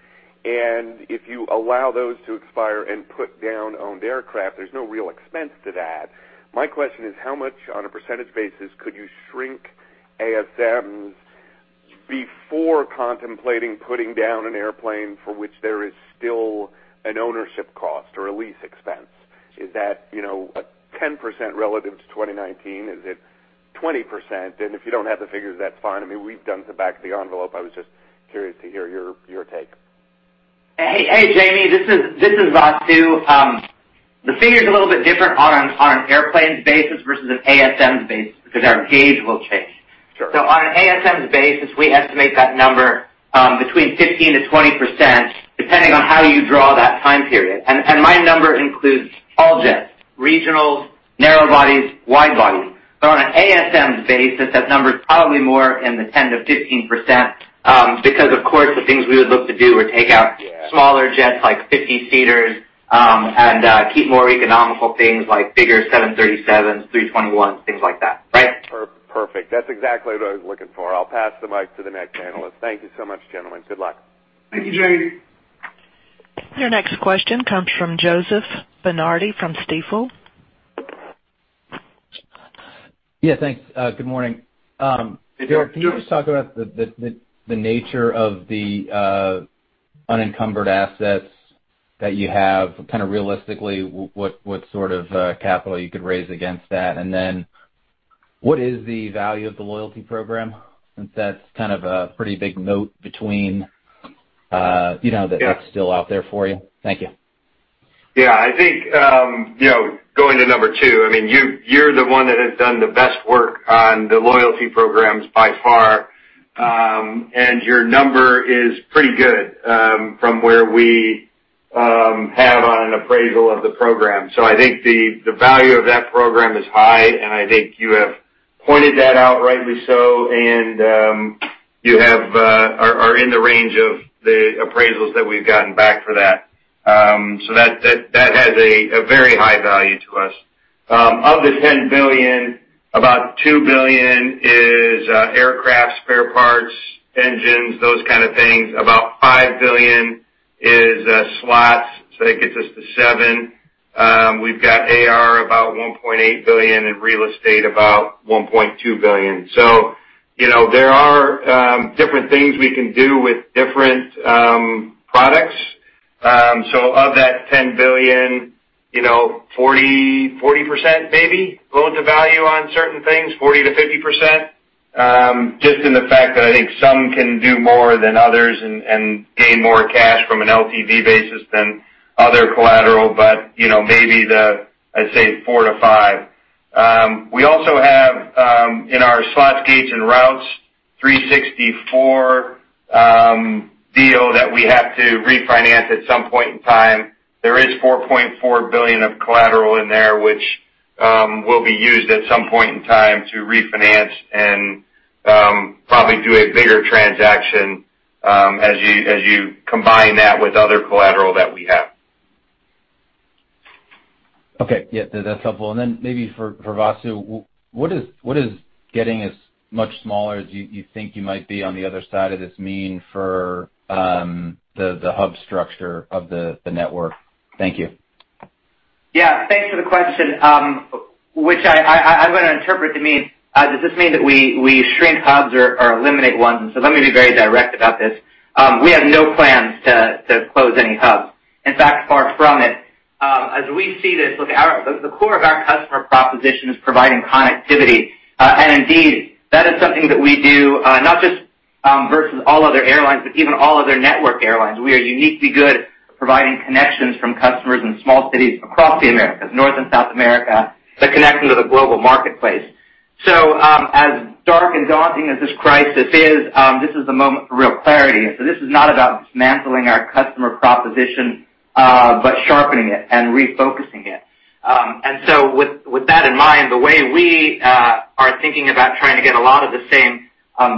[SPEAKER 8] If you allow those to expire and put down owned aircraft, there's no real expense to that. My question is, how much on a percentage basis could you shrink ASMs before contemplating putting down an airplane for which there is still an ownership cost or a lease expense? Is that 10% relative to 2019? Is it 20%? If you don't have the figures, that's fine. We've done the back of the envelope. I was just curious to hear your take.
[SPEAKER 9] Hey, Jamie, this is Vasu. The figure's a little bit different on an airplanes basis versus an ASMs basis because our gauge will change.
[SPEAKER 8] Sure.
[SPEAKER 9] On an ASMs basis, we estimate that number between 15%-20%, depending on how you draw that time period. My number includes all jets, regionals, narrow bodies, wide bodies. On an ASM basis, that number is probably more in the 10%-15%, because of course, the things we would look to do are take out.
[SPEAKER 8] Yeah
[SPEAKER 9] Smaller jets, like 50-seaters, and keep more economical things like bigger 737s, A321s, things like that. Right?
[SPEAKER 8] Perfect. That's exactly what I was looking for. I'll pass the mic to the next analyst. Thank you so much, gentlemen. Good luck.
[SPEAKER 3] Thank you, Jamie.
[SPEAKER 1] Your next question comes from Joseph DeNardi from Stifel.
[SPEAKER 10] Yeah, thanks. Good morning.
[SPEAKER 5] Hey, Joseph.
[SPEAKER 10] Derek, can you just talk about the nature of the unencumbered assets that you have, kind of realistically, what sort of capital you could raise against that? Then what is the value of the loyalty program since that's kind of a pretty big note.
[SPEAKER 5] Yeah
[SPEAKER 10] That's still out there for you. Thank you.
[SPEAKER 5] Yeah, I think, going to number two, you're the one that has done the best work on the loyalty programs by far. Your number is pretty good from where we have on an appraisal of the program. I think the value of that program is high. I think you have pointed that out rightly so. You are in the range of the appraisals that we've gotten back for that. That has a very high value to us. Of the $10 billion, about $2 billion is aircraft spare parts, engines, those kind of things. About $5 billion is slots. That gets us to seven. We've got AR about $1.8 billion and real estate about $1.2 billion. There are different things we can do with different products. Of that $10 billion, 40% maybe, loan to value on certain things, 40%-50%, just in the fact that I think some can do more than others and gain more cash from an LTV basis than other collateral. Maybe the, I'd say four to five. We also have, in our slots, gates, and routes, 364 deal that we have to refinance at some point in time. There is $4.4 billion of collateral in there, which will be used at some point in time to refinance and probably do a bigger transaction as you combine that with other collateral that we have.
[SPEAKER 10] Okay. Yeah, that's helpful. Then maybe for Vasu, what is getting as much smaller as you think you might be on the other side of this mean for the hub structure of the network? Thank you.
[SPEAKER 9] Yeah. Thanks for the question, which I'm going to interpret to mean, does this mean that we shrink hubs or eliminate one? Let me be very direct about this. We have no plans to close any hubs. In fact, far from it. As we see this, look, the core of our customer proposition is providing connectivity. Indeed, that is something that we do, not just versus all other airlines, but even all other network airlines. We are uniquely good at providing connections from customers in small cities across the Americas, North and South America, that connect to the global marketplace. As dark and daunting as this crisis is, this is a moment for real clarity. This is not about dismantling our customer proposition, but sharpening it and refocusing it. With that in mind, the way we are thinking about trying to get a lot of the same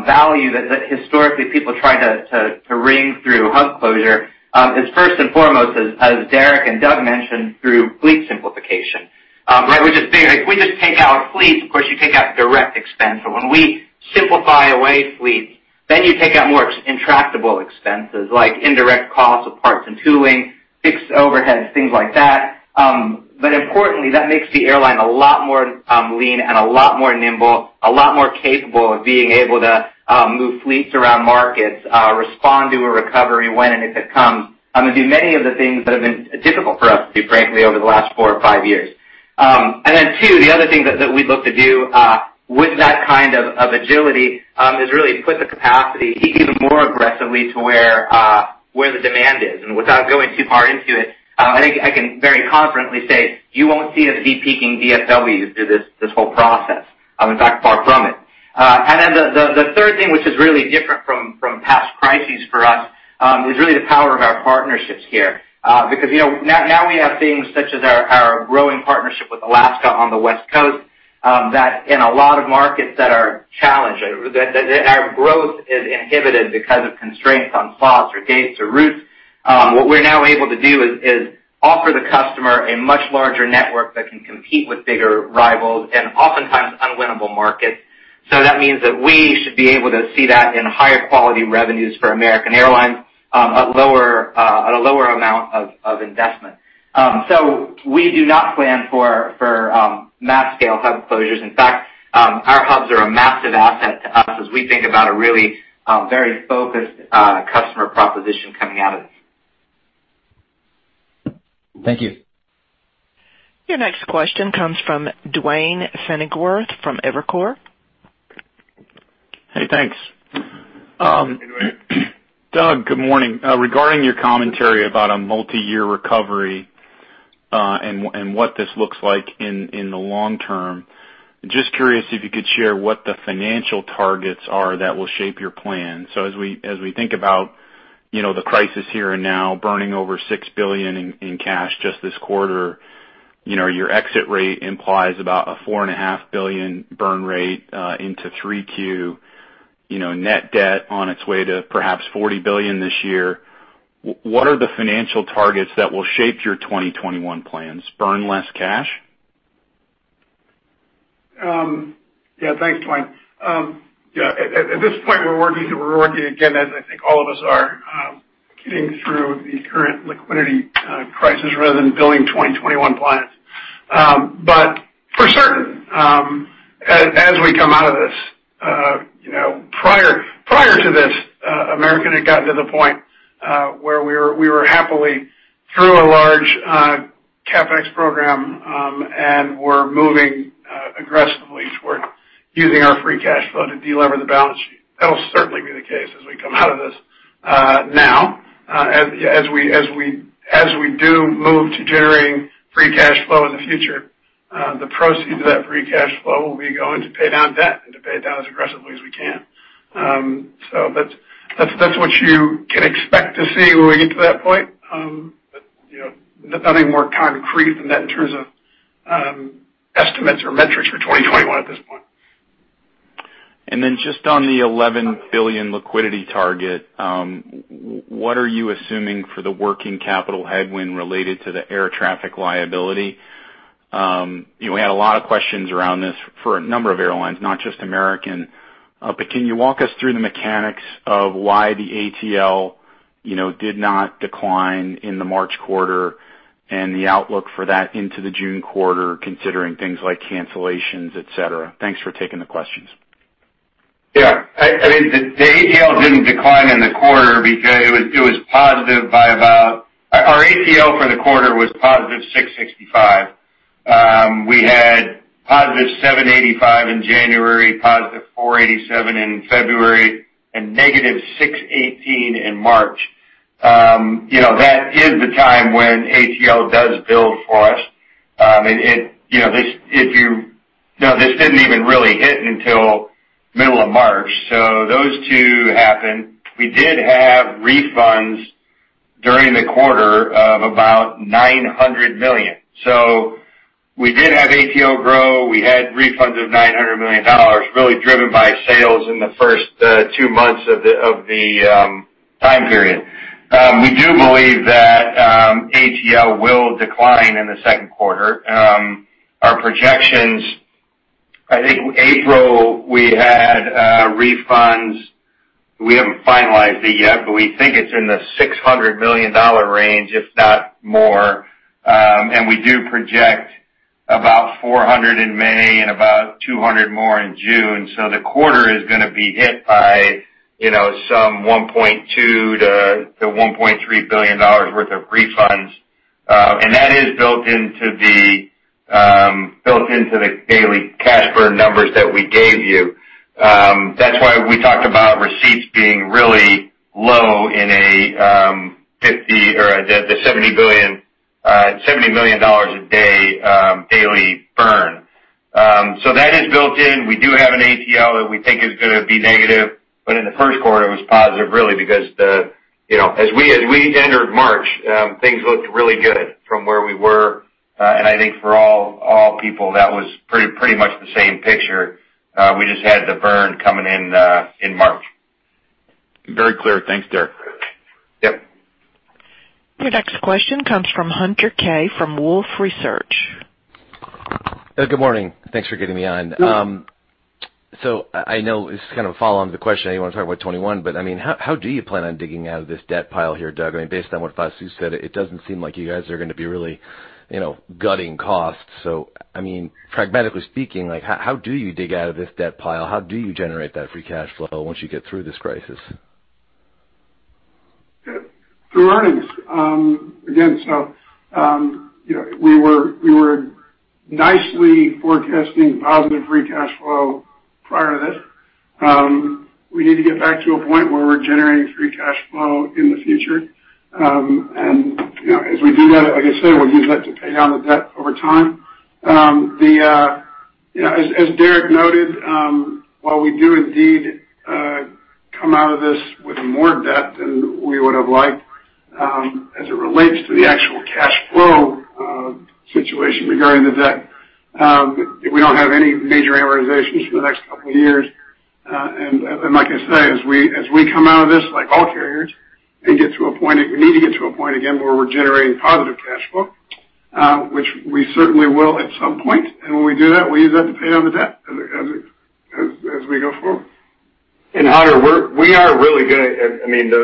[SPEAKER 9] value that historically people try to wring through hub closure, is first and foremost, as Derek and Doug mentioned, through fleet simplification. Right? Which is figuring if we just take out fleets, of course, you take out direct expense. When we simplify away fleets, then you take out more intractable expenses, like indirect costs of parts and tooling, fixed overheads, things like that. Importantly, that makes the airline a lot more lean and a lot more nimble, a lot more capable of being able to move fleets around markets, respond to a recovery when and if it comes, and do many of the things that have been difficult for us to do, frankly, over the last four or five years. Two, the other thing that we'd look to do with that kind of agility, is really put the capacity even more aggressively to where the demand is. Without going too far into it, I think I can very confidently say you won't see us de-peaking DFW through this whole process. In fact, far from it. The third thing, which is really different from past crises for us, is really the power of our partnerships here. Now we have things such as our growing partnership with Alaska on the West Coast, that in a lot of markets that are challenged, that our growth is inhibited because of constraints on slots or gates or routes. What we're now able to do is offer the customer a much larger network that can compete with bigger rivals in oftentimes unwinnable markets. That means that we should be able to see that in higher quality revenues for American Airlines at a lower amount of investment. We do not plan for mass scale hub closures. In fact, our hubs are a massive asset to us as we think about a really very focused customer proposition coming out of this.
[SPEAKER 10] Thank you.
[SPEAKER 1] Your next question comes from Duane Pfennigwerth from Evercore.
[SPEAKER 11] Hey, thanks. Doug, good morning. Regarding your commentary about a multi-year recovery and what this looks like in the long term, just curious if you could share what the financial targets are that will shape your plan. As we think about the crisis here and now, burning over $6 billion in cash just this quarter, your exit rate implies about a $4.5 billion burn rate into Q3. Net debt on its way to perhaps $40 billion this year. What are the financial targets that will shape your 2021 plans? Burn less cash?
[SPEAKER 3] Yeah. Thanks, Duane. At this point, we're working again, as I think all of us are, getting through the current liquidity crisis rather than building 2021 plans. For certain, as we come out of this-- prior to this, American had gotten to the point where we were happily through a large CapEx program, and we're moving aggressively toward using our free cash flow to delever the balance sheet. That'll certainly be the case as we come out of this. As we do move to generating free cash flow in the future, the proceeds of that free cash flow will be going to pay down debt and to pay it down as aggressively as we can. That's what you can expect to see when we get to that point. Nothing more concrete than that in terms of estimates or metrics for 2021 at this point.
[SPEAKER 11] Just on the $11 billion liquidity target, what are you assuming for the working capital headwind related to the air traffic liability? We had a lot of questions around this for a number of airlines, not just American. Can you walk us through the mechanics of why the ATL did not decline in the March quarter and the outlook for that into the June quarter, considering things like cancellations, et cetera? Thanks for taking the questions.
[SPEAKER 5] The ATL didn't decline in the quarter because our ATL for the quarter was positive $665. We had positive $785 in January, positive $487 in February, and negative $618 in March. That is the time when ATL does build for us. This didn't even really hit until middle of March. Those two happened. We did have refunds during the quarter of about $900 million. We did have ATL grow. We had refunds of $900 million, really driven by sales in the first two months of the time period. We do believe that ATL will decline in the second quarter. Our projections, I think April, we had refunds. We haven't finalized it yet, but we think it's in the $600 million range, if not more. We do project about $400 in May and about $200 more in June. The quarter is going to be hit by some $1.2 billion to $1.3 billion worth of refunds. That is built into the daily cash burn numbers that we gave you. That's why we talked about receipts being really low in a $50 million or $70 million a day daily burn. That is built in. We do have an ATL that we think is going to be negative, but in the first quarter, it was positive, really, because as we entered March, things looked really good from where we were. I think for all people, that was pretty much the same picture. We just had the burn coming in March.
[SPEAKER 11] Very clear. Thanks, Derek.
[SPEAKER 5] Yep.
[SPEAKER 1] Your next question comes from Hunter Keay from Wolfe Research.
[SPEAKER 12] Good morning. Thanks for getting me on.
[SPEAKER 3] Good.
[SPEAKER 12] I know this is kind of a follow-on to the question. I know you want to talk about 2021, but how do you plan on digging out of this debt pile here, Doug? Based on what Vasu said, it doesn't seem like you guys are going to be really gutting costs. Pragmatically speaking, how do you dig out of this debt pile? How do you generate that free cash flow once you get through this crisis?
[SPEAKER 3] Through earnings. We were nicely forecasting positive free cash flow prior to this. We need to get back to a point where we're generating free cash flow in the future. As we do that, like I said, we'll use that to pay down the debt over time. As Derek noted, while we do indeed come out of this with more debt than we would have liked, as it relates to the actual cash flow situation regarding the debt, we don't have any major amortizations for the next couple of years. Like I say, as we come out of this, like all carriers, we need to get to a point again where we're generating positive cash flow, which we certainly will at some point. When we do that, we use that to pay down the debt as we go forward.
[SPEAKER 5] Hunter,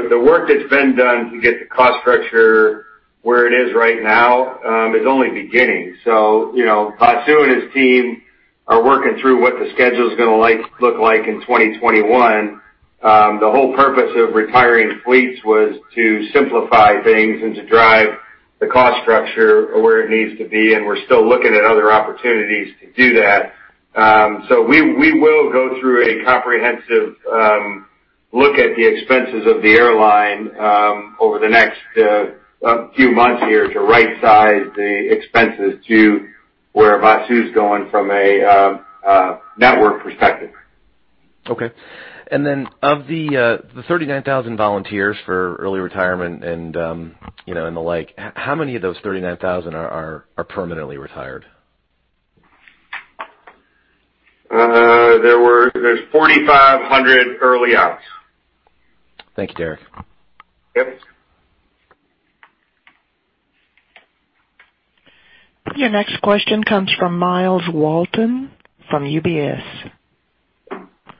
[SPEAKER 5] the work that's been done to get the cost structure where it is right now is only beginning. Vasu and his team are working through what the schedule is going to look like in 2021. The whole purpose of retiring fleets was to simplify things and to drive the cost structure where it needs to be, and we're still looking at other opportunities to do that. We will go through a comprehensive look at the expenses of the airline over the next few months here to right size the expenses to where it is going from a network perspective.
[SPEAKER 12] Okay. Of the 39,000 volunteers for early retirement and the like, how many of those 39,000 are permanently retired?
[SPEAKER 5] There's 4,500 early outs.
[SPEAKER 12] Thank you, Derek.
[SPEAKER 5] Yep.
[SPEAKER 1] Your next question comes from Myles Walton from UBS.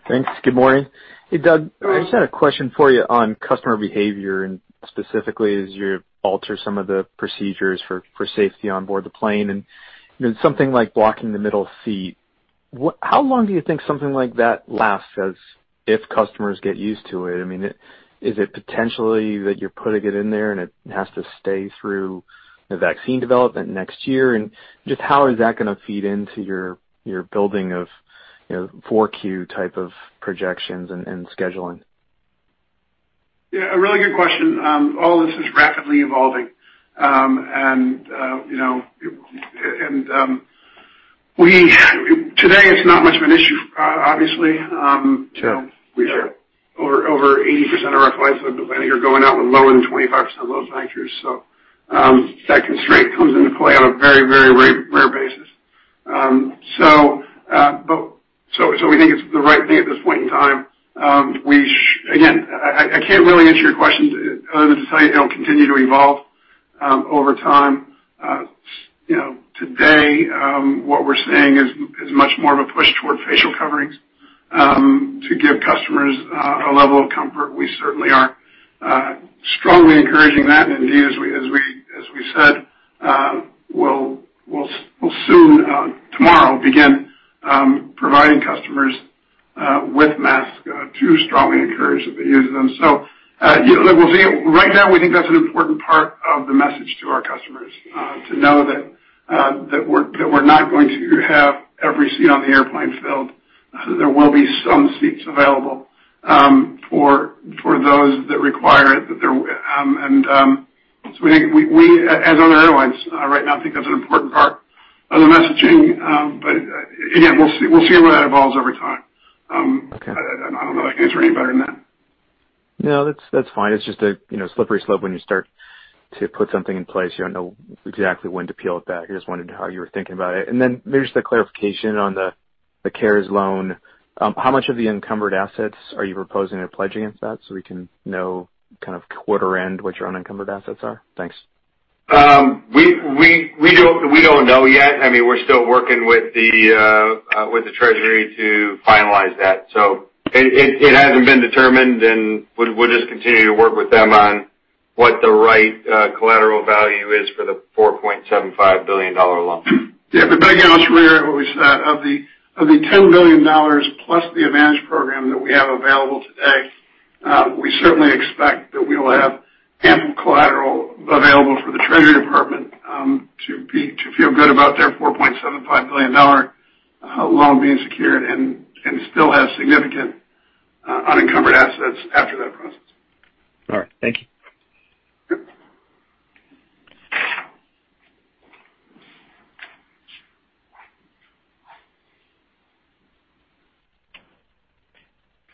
[SPEAKER 13] Thanks. Good morning. Hey, Doug, I just had a question for you on customer behavior, and specifically as you alter some of the procedures for safety on board the plane and something like blocking the middle seat, how long do you think something like that lasts as if customers get used to it? Is it potentially that you're putting it in there and it has to stay through the vaccine development next year? Just how is that going to feed into your building of Q4 type of projections and scheduling?
[SPEAKER 3] Yeah, a really good question. All this is rapidly evolving. Today it's not much of an issue.
[SPEAKER 13] Sure
[SPEAKER 3] Over 80% of our flights are going out with lower than 25% load factors. That constraint comes into play on a very rare basis. We think it's the right thing at this point in time. Again, I can't really answer your question other than to say it'll continue to evolve over time. Today, what we're seeing is much more of a push toward facial coverings to give customers a level of comfort. We certainly are strongly encouraging that. Indeed, as we said, we'll soon, tomorrow, begin providing customers with masks to strongly encourage that they use them. Right now we think that's an important part of the message to our customers to know that we're not going to have every seat on the airplane filled, there will be some seats available for those that require it. Other airlines right now think that's an important part of the messaging. Again, we'll see how that evolves over time.
[SPEAKER 13] Okay.
[SPEAKER 3] I don't know if I can answer any better than that.
[SPEAKER 13] No, that's fine. It's just a slippery slope when you start to put something in place, you don't know exactly when to peel it back. I just wanted to know how you were thinking about it. Maybe just a clarification on the CARES loan. How much of the encumbered assets are you proposing to pledge against that so we can know kind of quarter end what your unencumbered assets are? Thanks.
[SPEAKER 5] We don't know yet. We're still working with the Treasury to finalize that. It hasn't been determined, and we'll just continue to work with them on what the right collateral value is for the $4.75 billion loan.
[SPEAKER 3] Yeah. The big answer here, what we said, of the $10 billion plus the AAdvantage program that we have available today, we certainly expect that we will have ample collateral available for the Department of the Treasury to feel good about their $4.75 billion loan being secured and still have significant unencumbered assets after that process.
[SPEAKER 13] All right. Thank you.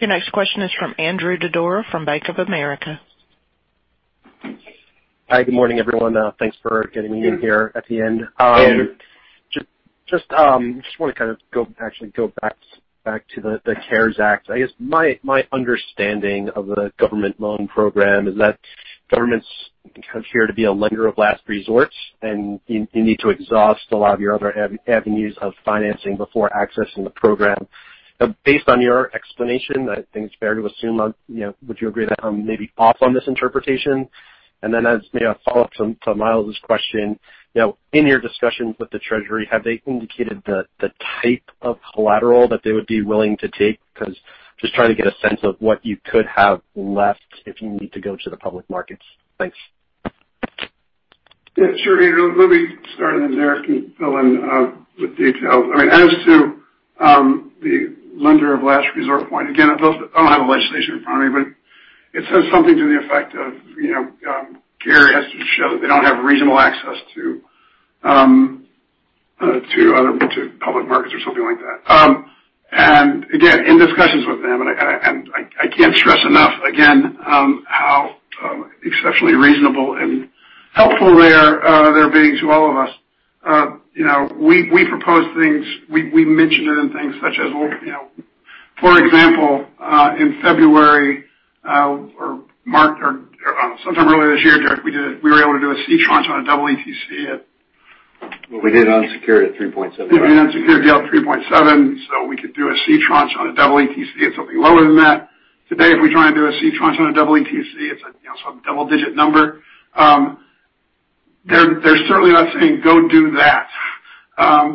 [SPEAKER 3] Yep.
[SPEAKER 1] Your next question is from Andrew Didora of Bank of America.
[SPEAKER 14] Hi, good morning, everyone. Thanks for getting me in here at the end.
[SPEAKER 3] Yeah.
[SPEAKER 14] Just want to kind of actually go back to the CARES Act. I guess my understanding of the government loan program is that government's here to be a lender of last resort, and you need to exhaust a lot of your other avenues of financing before accessing the program. Based on your explanation, I think it's fair to assume, would you agree that I may be off on this interpretation? As maybe a follow-up to Myles's question, in your discussions with the Treasury, have they indicated the type of collateral that they would be willing to take, just trying to get a sense of what you could have left if you need to go to the public markets. Thanks.
[SPEAKER 3] Yeah, sure. Let me start and then Derek can fill in with details. As to the lender of last resort point, again, I don't have the legislation in front of me, but it says something to the effect of CARES has to show that they don't have reasonable access to public markets or something like that. Again, in discussions with them, and I can't stress enough again how exceptionally reasonable and helpful they're being to all of us. We proposed things. We mentioned it in things such as, for example, in February or March or sometime earlier this year, Derek, we were able to do a C tranche on a double EETC.
[SPEAKER 5] Well, we did it on security at 3.7.
[SPEAKER 3] We did it on security at 3.7, we could do a C tranche on a double ETC at something lower than that. Today, if we try and do a C tranche on a double ETC, it's a double-digit number. They're certainly not saying go do that.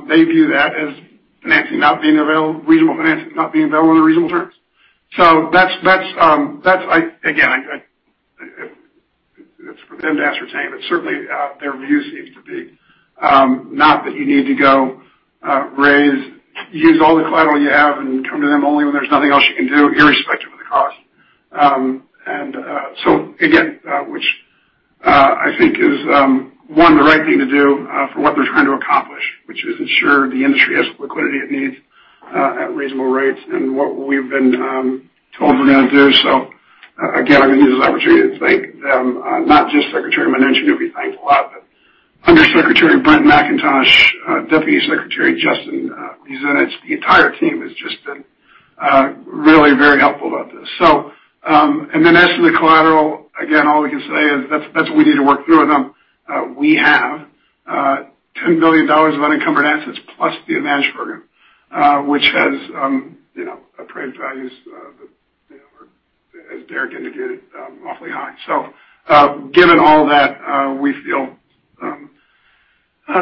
[SPEAKER 3] They view that as reasonable financing not being available on the reasonable terms. Again, for them to ascertain, but certainly their view seems to be not that you need to go raise, use all the collateral you have and come to them only when there's nothing else you can do, irrespective of the cost. Again, which I think is, one, the right thing to do for what they're trying to accomplish, which is ensure the industry has the liquidity it needs at reasonable rates, and what we've been told we're going to do. Again, I'm going to use this opportunity to thank them, not just Secretary Mnuchin, who we thank a lot, but Under Secretary Brent McIntosh, Deputy Secretary Justin Muzinich. The entire team has just been really very helpful about this. As to the collateral, again, all we can say is that's what we need to work through with them. We have $10 billion of unencumbered assets plus the AAdvantage Program, which has appraised values that, as Derek indicated, awfully high. Given all that, we feel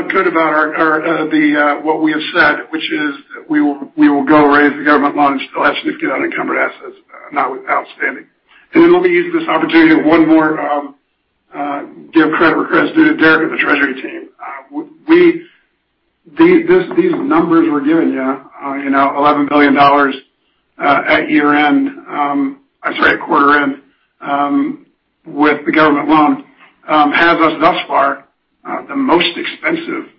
[SPEAKER 3] good about what we have said, which is that we will go raise the government loans till that's significant unencumbered assets outstanding. Let me use this opportunity one more give credit where credit's due to Derek and the Treasury team. These numbers we're giving you, $11 billion at year-end, I'm sorry, at quarter-end, with the government loan, has us thus far the most expensive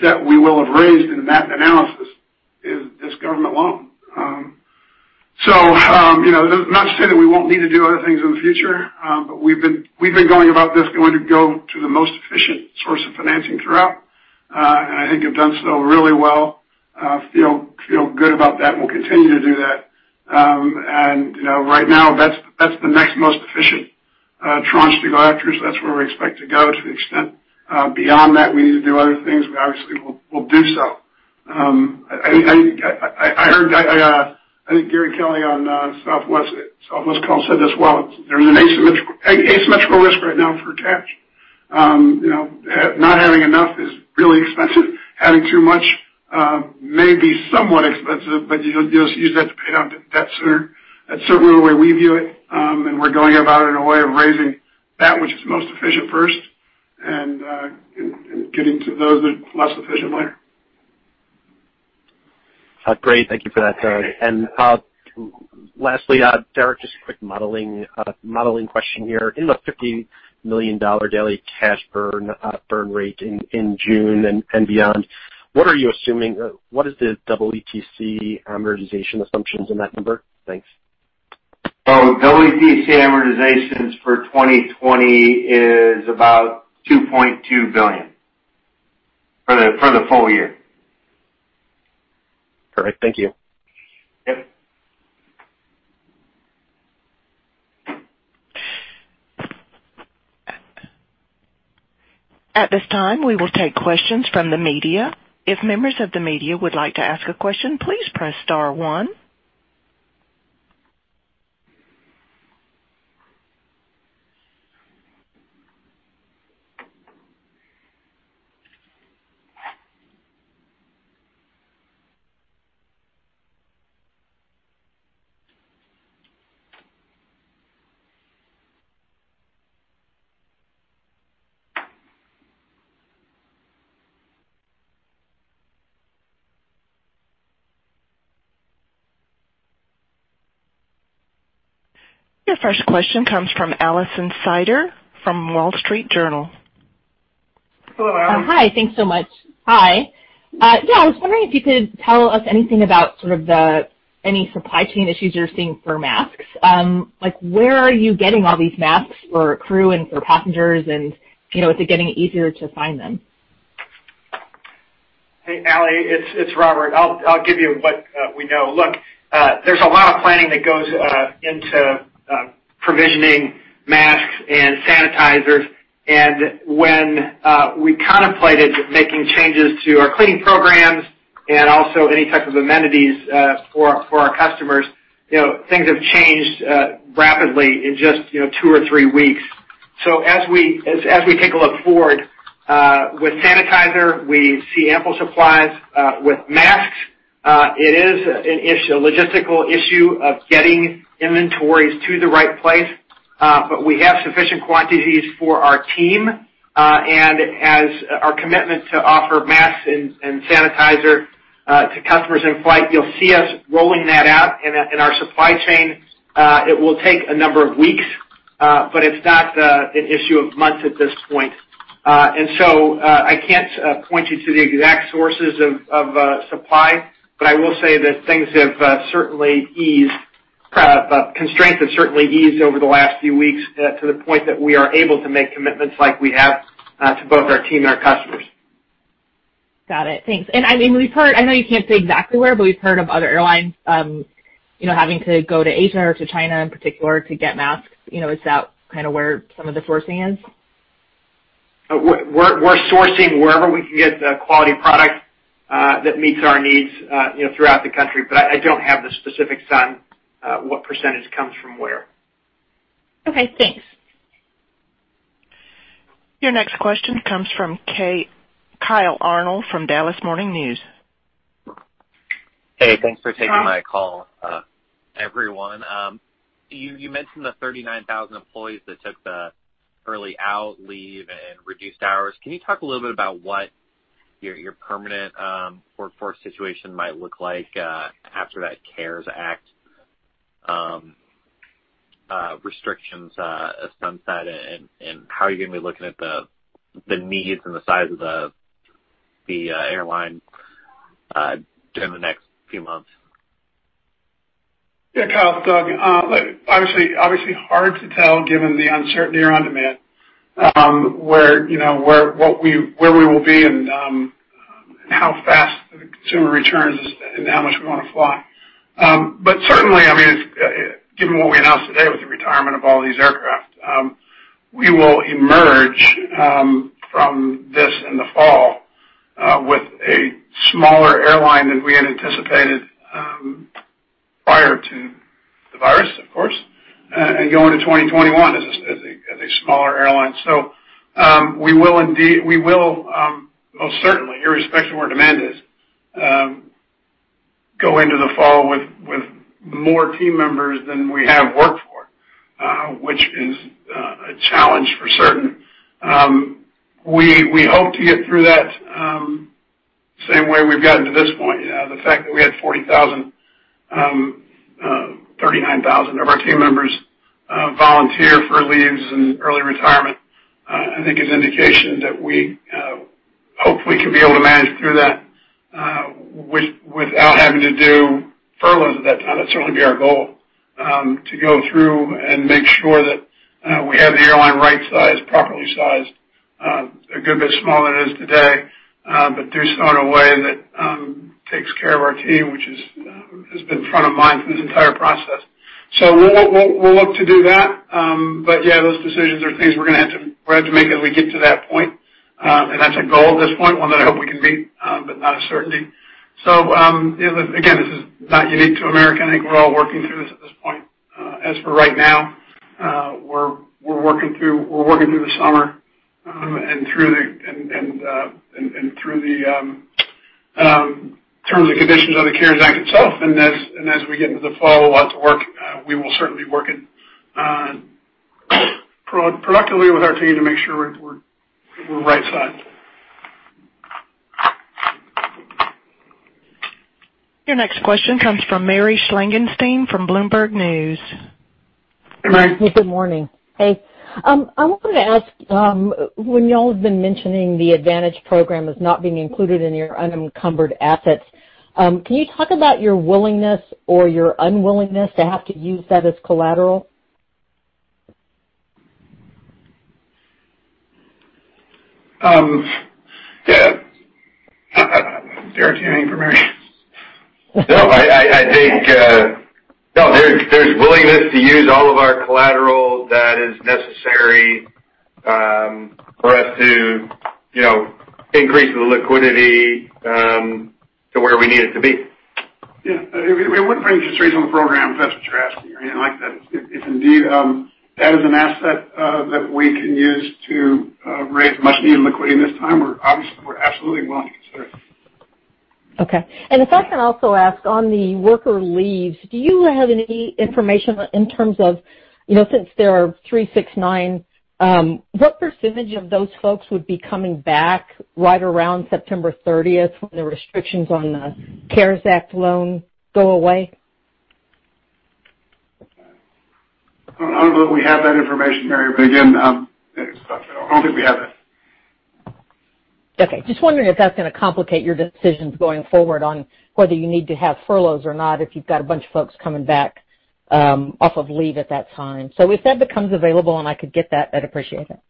[SPEAKER 3] debt we will have raised in that analysis is this government loan. That's not to say that we won't need to do other things in the future, but we've been going about this going to go to the most efficient source of financing throughout. I think have done so really well. Feel good about that, and we'll continue to do that. Right now, that's the next most efficient tranche to go after, so that's where we expect to go to the extent beyond that, we need to do other things, we obviously will do so. I think Gary Kelly on Southwest call said this well. There's an asymmetrical risk right now for cash. Not having enough is really expensive. Having too much may be somewhat expensive. You'll just use that to pay down debt sooner. That's certainly the way we view it. We're going about it in a way of raising that which is most efficient first and getting to those that are less efficient later.
[SPEAKER 14] Great. Thank you for that, Doug. Lastly, Derek, just a quick modeling question here. In the $50 million daily cash burn rate in June and beyond, what is the EETC amortization assumptions in that number? Thanks.
[SPEAKER 5] EETC amortizations for 2020 is about $2.2 billion for the full year.
[SPEAKER 14] Perfect. Thank you.
[SPEAKER 5] Yep.
[SPEAKER 1] At this time, we will take questions from the media. If members of the media would like to ask a question, please press star one. Your first question comes from Alison Sider from The Wall Street Journal.
[SPEAKER 3] Hello, Alison.
[SPEAKER 15] Hi. Thanks so much. Hi. Yeah, I was wondering if you could tell us anything about any supply chain issues you're seeing for masks. Where are you getting all these masks for crew and for passengers, and is it getting easier to find them?
[SPEAKER 4] Hey, Alison, it's Robert. I'll give you what we know. Look, there's a lot of planning that goes into provisioning masks and sanitizers. When we contemplated making changes to our cleaning programs and also any type of amenities for our customers, things have changed rapidly in just two or three weeks. As we take a look forward, with sanitizer, we see ample supplies. With masks, it is a logistical issue of getting inventories to the right place. We have sufficient quantities for our team. As our commitment to offer masks and sanitizer to customers in flight, you'll see us rolling that out in our supply chain. It will take a number of weeks, but it's not an issue of months at this point. I can't point you to the exact sources of supply. I will say that things have certainly eased. Constraints have certainly eased over the last few weeks to the point that we are able to make commitments like we have to both our team and our customers.
[SPEAKER 15] Got it. Thanks. I know you can't say exactly where, but we've heard of other airlines having to go to Asia or to China in particular to get masks. Is that kind of where some of the sourcing is?
[SPEAKER 4] We're sourcing wherever we can get quality product that meets our needs throughout the country. I don't have the specifics on what percentage comes from where.
[SPEAKER 15] Okay, thanks.
[SPEAKER 1] Your next question comes from Kyle Arnold from Dallas Morning News.
[SPEAKER 16] Hey, thanks for taking my call, everyone. You mentioned the 39,000 employees that took the early out leave and reduced hours. Can you talk a little bit about what your permanent workforce situation might look like after that CARES Act restrictions sunset, and how you're going to be looking at the needs and the size of the airline during the next few months?
[SPEAKER 3] Yeah, Kyle. Doug. Obviously hard to tell given the uncertainty around demand, where we will be and how fast the consumer returns and how much we want to fly. Certainly, given what we announced today with the retirement of all these aircraft, we will emerge from this in the fall with a smaller airline than we had anticipated prior to the virus, of course, and go into 2021 as a smaller airline. We will most certainly, irrespective of where demand is, go into the fall with more team members than we have work for, which is a challenge for certain. We hope to get through that same way we've gotten to this point. The fact that we had 40,000, 39,000 of our team members volunteer for leaves and early retirement, I think is indication that we hopefully can be able to manage through that without having to do furloughs at that time. That'd certainly be our goal, to go through and make sure that we have the airline right-sized, properly sized, a good bit smaller than it is today, but do so in a way that takes care of our team, which has been front of mind through this entire process. We'll look to do that. Yeah, those decisions are things we're going to have to make as we get to that point. That's a goal at this point, one that I hope we can meet, but not a certainty. Again, this is not unique to American. I think we're all working through this at this point. As for right now, we're working through the summer and through the terms and conditions of the CARES Act itself. As we get into the fall, we will certainly be working productively with our team to make sure we're right-sized.
[SPEAKER 1] Your next question comes from Mary Schlangenstein from Bloomberg News.
[SPEAKER 3] Mary.
[SPEAKER 17] Good morning. Hey. I wanted to ask, when y'all have been mentioning the AAdvantage program as not being included in your unencumbered assets, can you talk about your willingness or your unwillingness to have to use that as collateral?
[SPEAKER 3] Yeah. Derek, do you have any information?
[SPEAKER 5] No, there's willingness to use all of our collateral that is necessary for us to increase the liquidity to where we need it to be.
[SPEAKER 3] Yeah. We wouldn't bring interest rates on the program, if that's what you're asking, or anything like that. If indeed that is an asset that we can use to raise much needed liquidity in this time, obviously, we're absolutely willing to consider it.
[SPEAKER 17] Okay. If I can also ask on the worker leaves, do you have any information in terms of, since there are three, six, nine, what percentage of those folks would be coming back right around September 30th when the restrictions on the CARES Act loan go away?
[SPEAKER 3] I don't know that we have that information, Mary. Again, I don't think we have that.
[SPEAKER 17] Okay. Just wondering if that's going to complicate your decisions going forward on whether you need to have furloughs or not if you've got a bunch of folks coming back off of leave at that time. If that becomes available and I could get that, I'd appreciate that.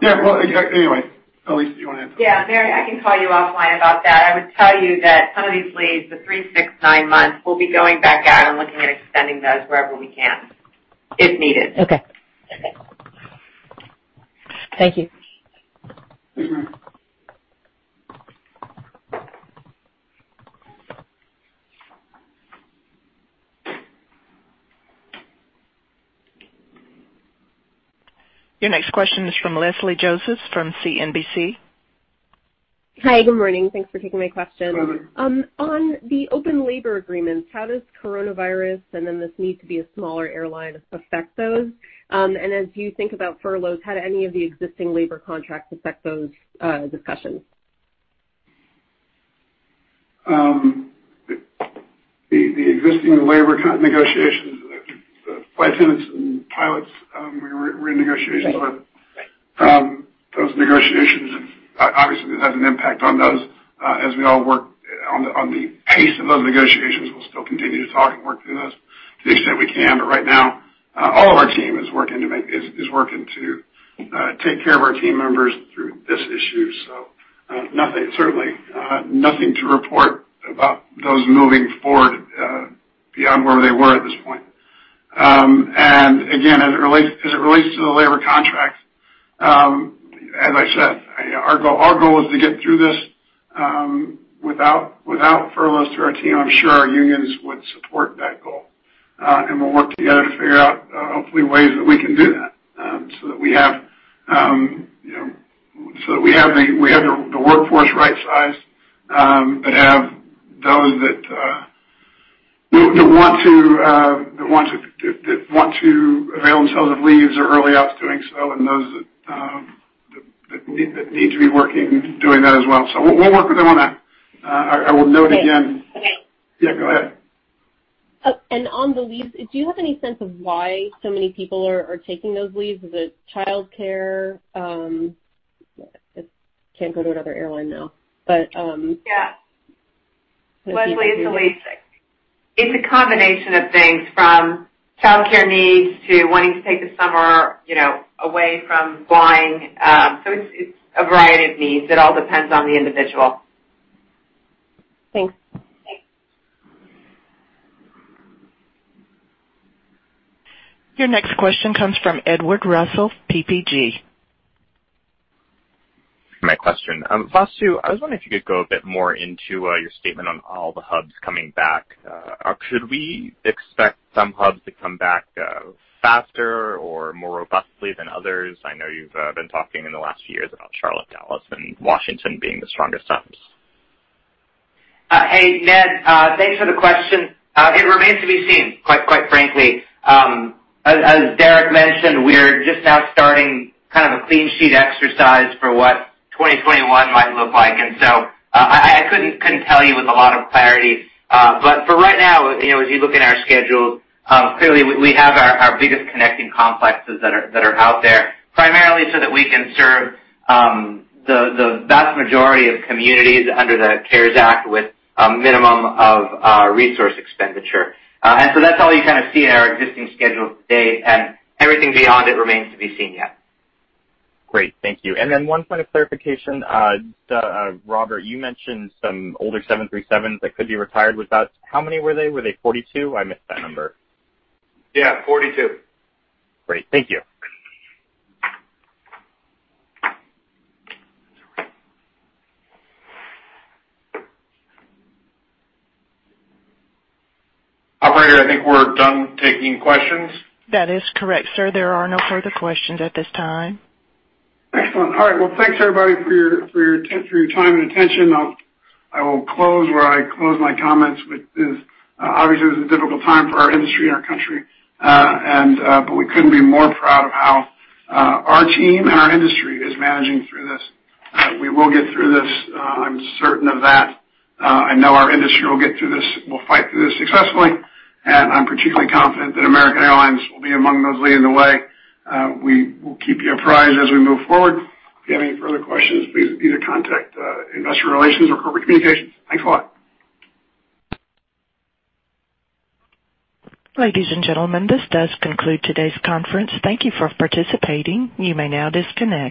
[SPEAKER 3] Yeah. Anyway. Elise, do you want to?
[SPEAKER 18] Yeah, Mary, I can call you offline about that. I would tell you that some of these leaves, the three, six, nine months, we'll be going back out and looking at extending those wherever we can, if needed.
[SPEAKER 17] Okay. Thank you.
[SPEAKER 1] Your next question is from Leslie Josephs from CNBC.
[SPEAKER 19] Hi, good morning. Thanks for taking my question.
[SPEAKER 3] Good morning.
[SPEAKER 19] On the open labor agreements, how does coronavirus and then this need to be a smaller airline affect those? As you think about furloughs, how do any of the existing labor contracts affect those discussions?
[SPEAKER 3] The existing labor negotiations, the flight attendants and pilots we're in negotiations with. Those negotiations, obviously this has an impact on those as we all work on the pace of those negotiations. We'll still continue to talk and work through those to the extent we can. Right now, all of our team is working to take care of our team members through this issue. Certainly nothing to report about those moving forward beyond where they were at this point. Again, as it relates to the labor contracts, as I said, our goal is to get through this without furloughs to our team. I'm sure our unions would support that goal. We'll work together to figure out, hopefully, ways that we can do that so that we have the workforce right-sized, but have those that want to avail themselves of leaves or early outs doing so, and those that need to be working doing that as well. We'll work with them on that. I will note again.
[SPEAKER 19] Okay.
[SPEAKER 3] Yeah, go ahead.
[SPEAKER 19] On the leaves, do you have any sense of why so many people are taking those leaves? Is it childcare? Can't go to another airline now.
[SPEAKER 18] Yeah. Leslie, it's a combination. It's a combination of things, from childcare needs to wanting to take the summer away from flying. It's a variety of needs. It all depends on the individual.
[SPEAKER 19] Thanks.
[SPEAKER 1] Your next question comes from Edward Russell, PPG.
[SPEAKER 20] My question. Vasu, I was wondering if you could go a bit more into your statement on all the hubs coming back. Should we expect some hubs to come back faster or more robustly than others? I know you've been talking in the last few years about Charlotte, Dallas, and Washington being the strongest hubs.
[SPEAKER 9] Hey, Edward. Thanks for the question. It remains to be seen, quite frankly. As Derek mentioned, we're just now starting a clean sheet exercise for what 2021 might look like. I couldn't tell you with a lot of clarity. For right now, as you look at our schedule, clearly we have our biggest connecting complexes that are out there, primarily so that we can serve the vast majority of communities under the CARES Act with a minimum of resource expenditure. That's all you see in our existing schedule to date, and everything beyond it remains to be seen yet.
[SPEAKER 20] Great. Thank you. Then one point of clarification. Robert, you mentioned some older 737s that could be retired. How many were they? Were they 42? I missed that number.
[SPEAKER 4] Yeah, 42.
[SPEAKER 20] Great. Thank you.
[SPEAKER 3] Operator, I think we're done taking questions.
[SPEAKER 1] That is correct, sir. There are no further questions at this time.
[SPEAKER 3] Excellent. All right. Well, thanks, everybody, for your time and attention. I will close where I close my comments, which is, obviously, this is a difficult time for our industry and our country. We couldn't be more proud of how our team and our industry is managing through this. We will get through this. I'm certain of that. I know our industry will get through this, will fight through this successfully, and I'm particularly confident that American Airlines will be among those leading the way. We will keep you apprised as we move forward. If you have any further questions, please either contact Investor Relations or Corporate Communications. Thanks a lot.
[SPEAKER 1] Ladies and gentlemen, this does conclude today's conference. Thank you for participating. You may now disconnect.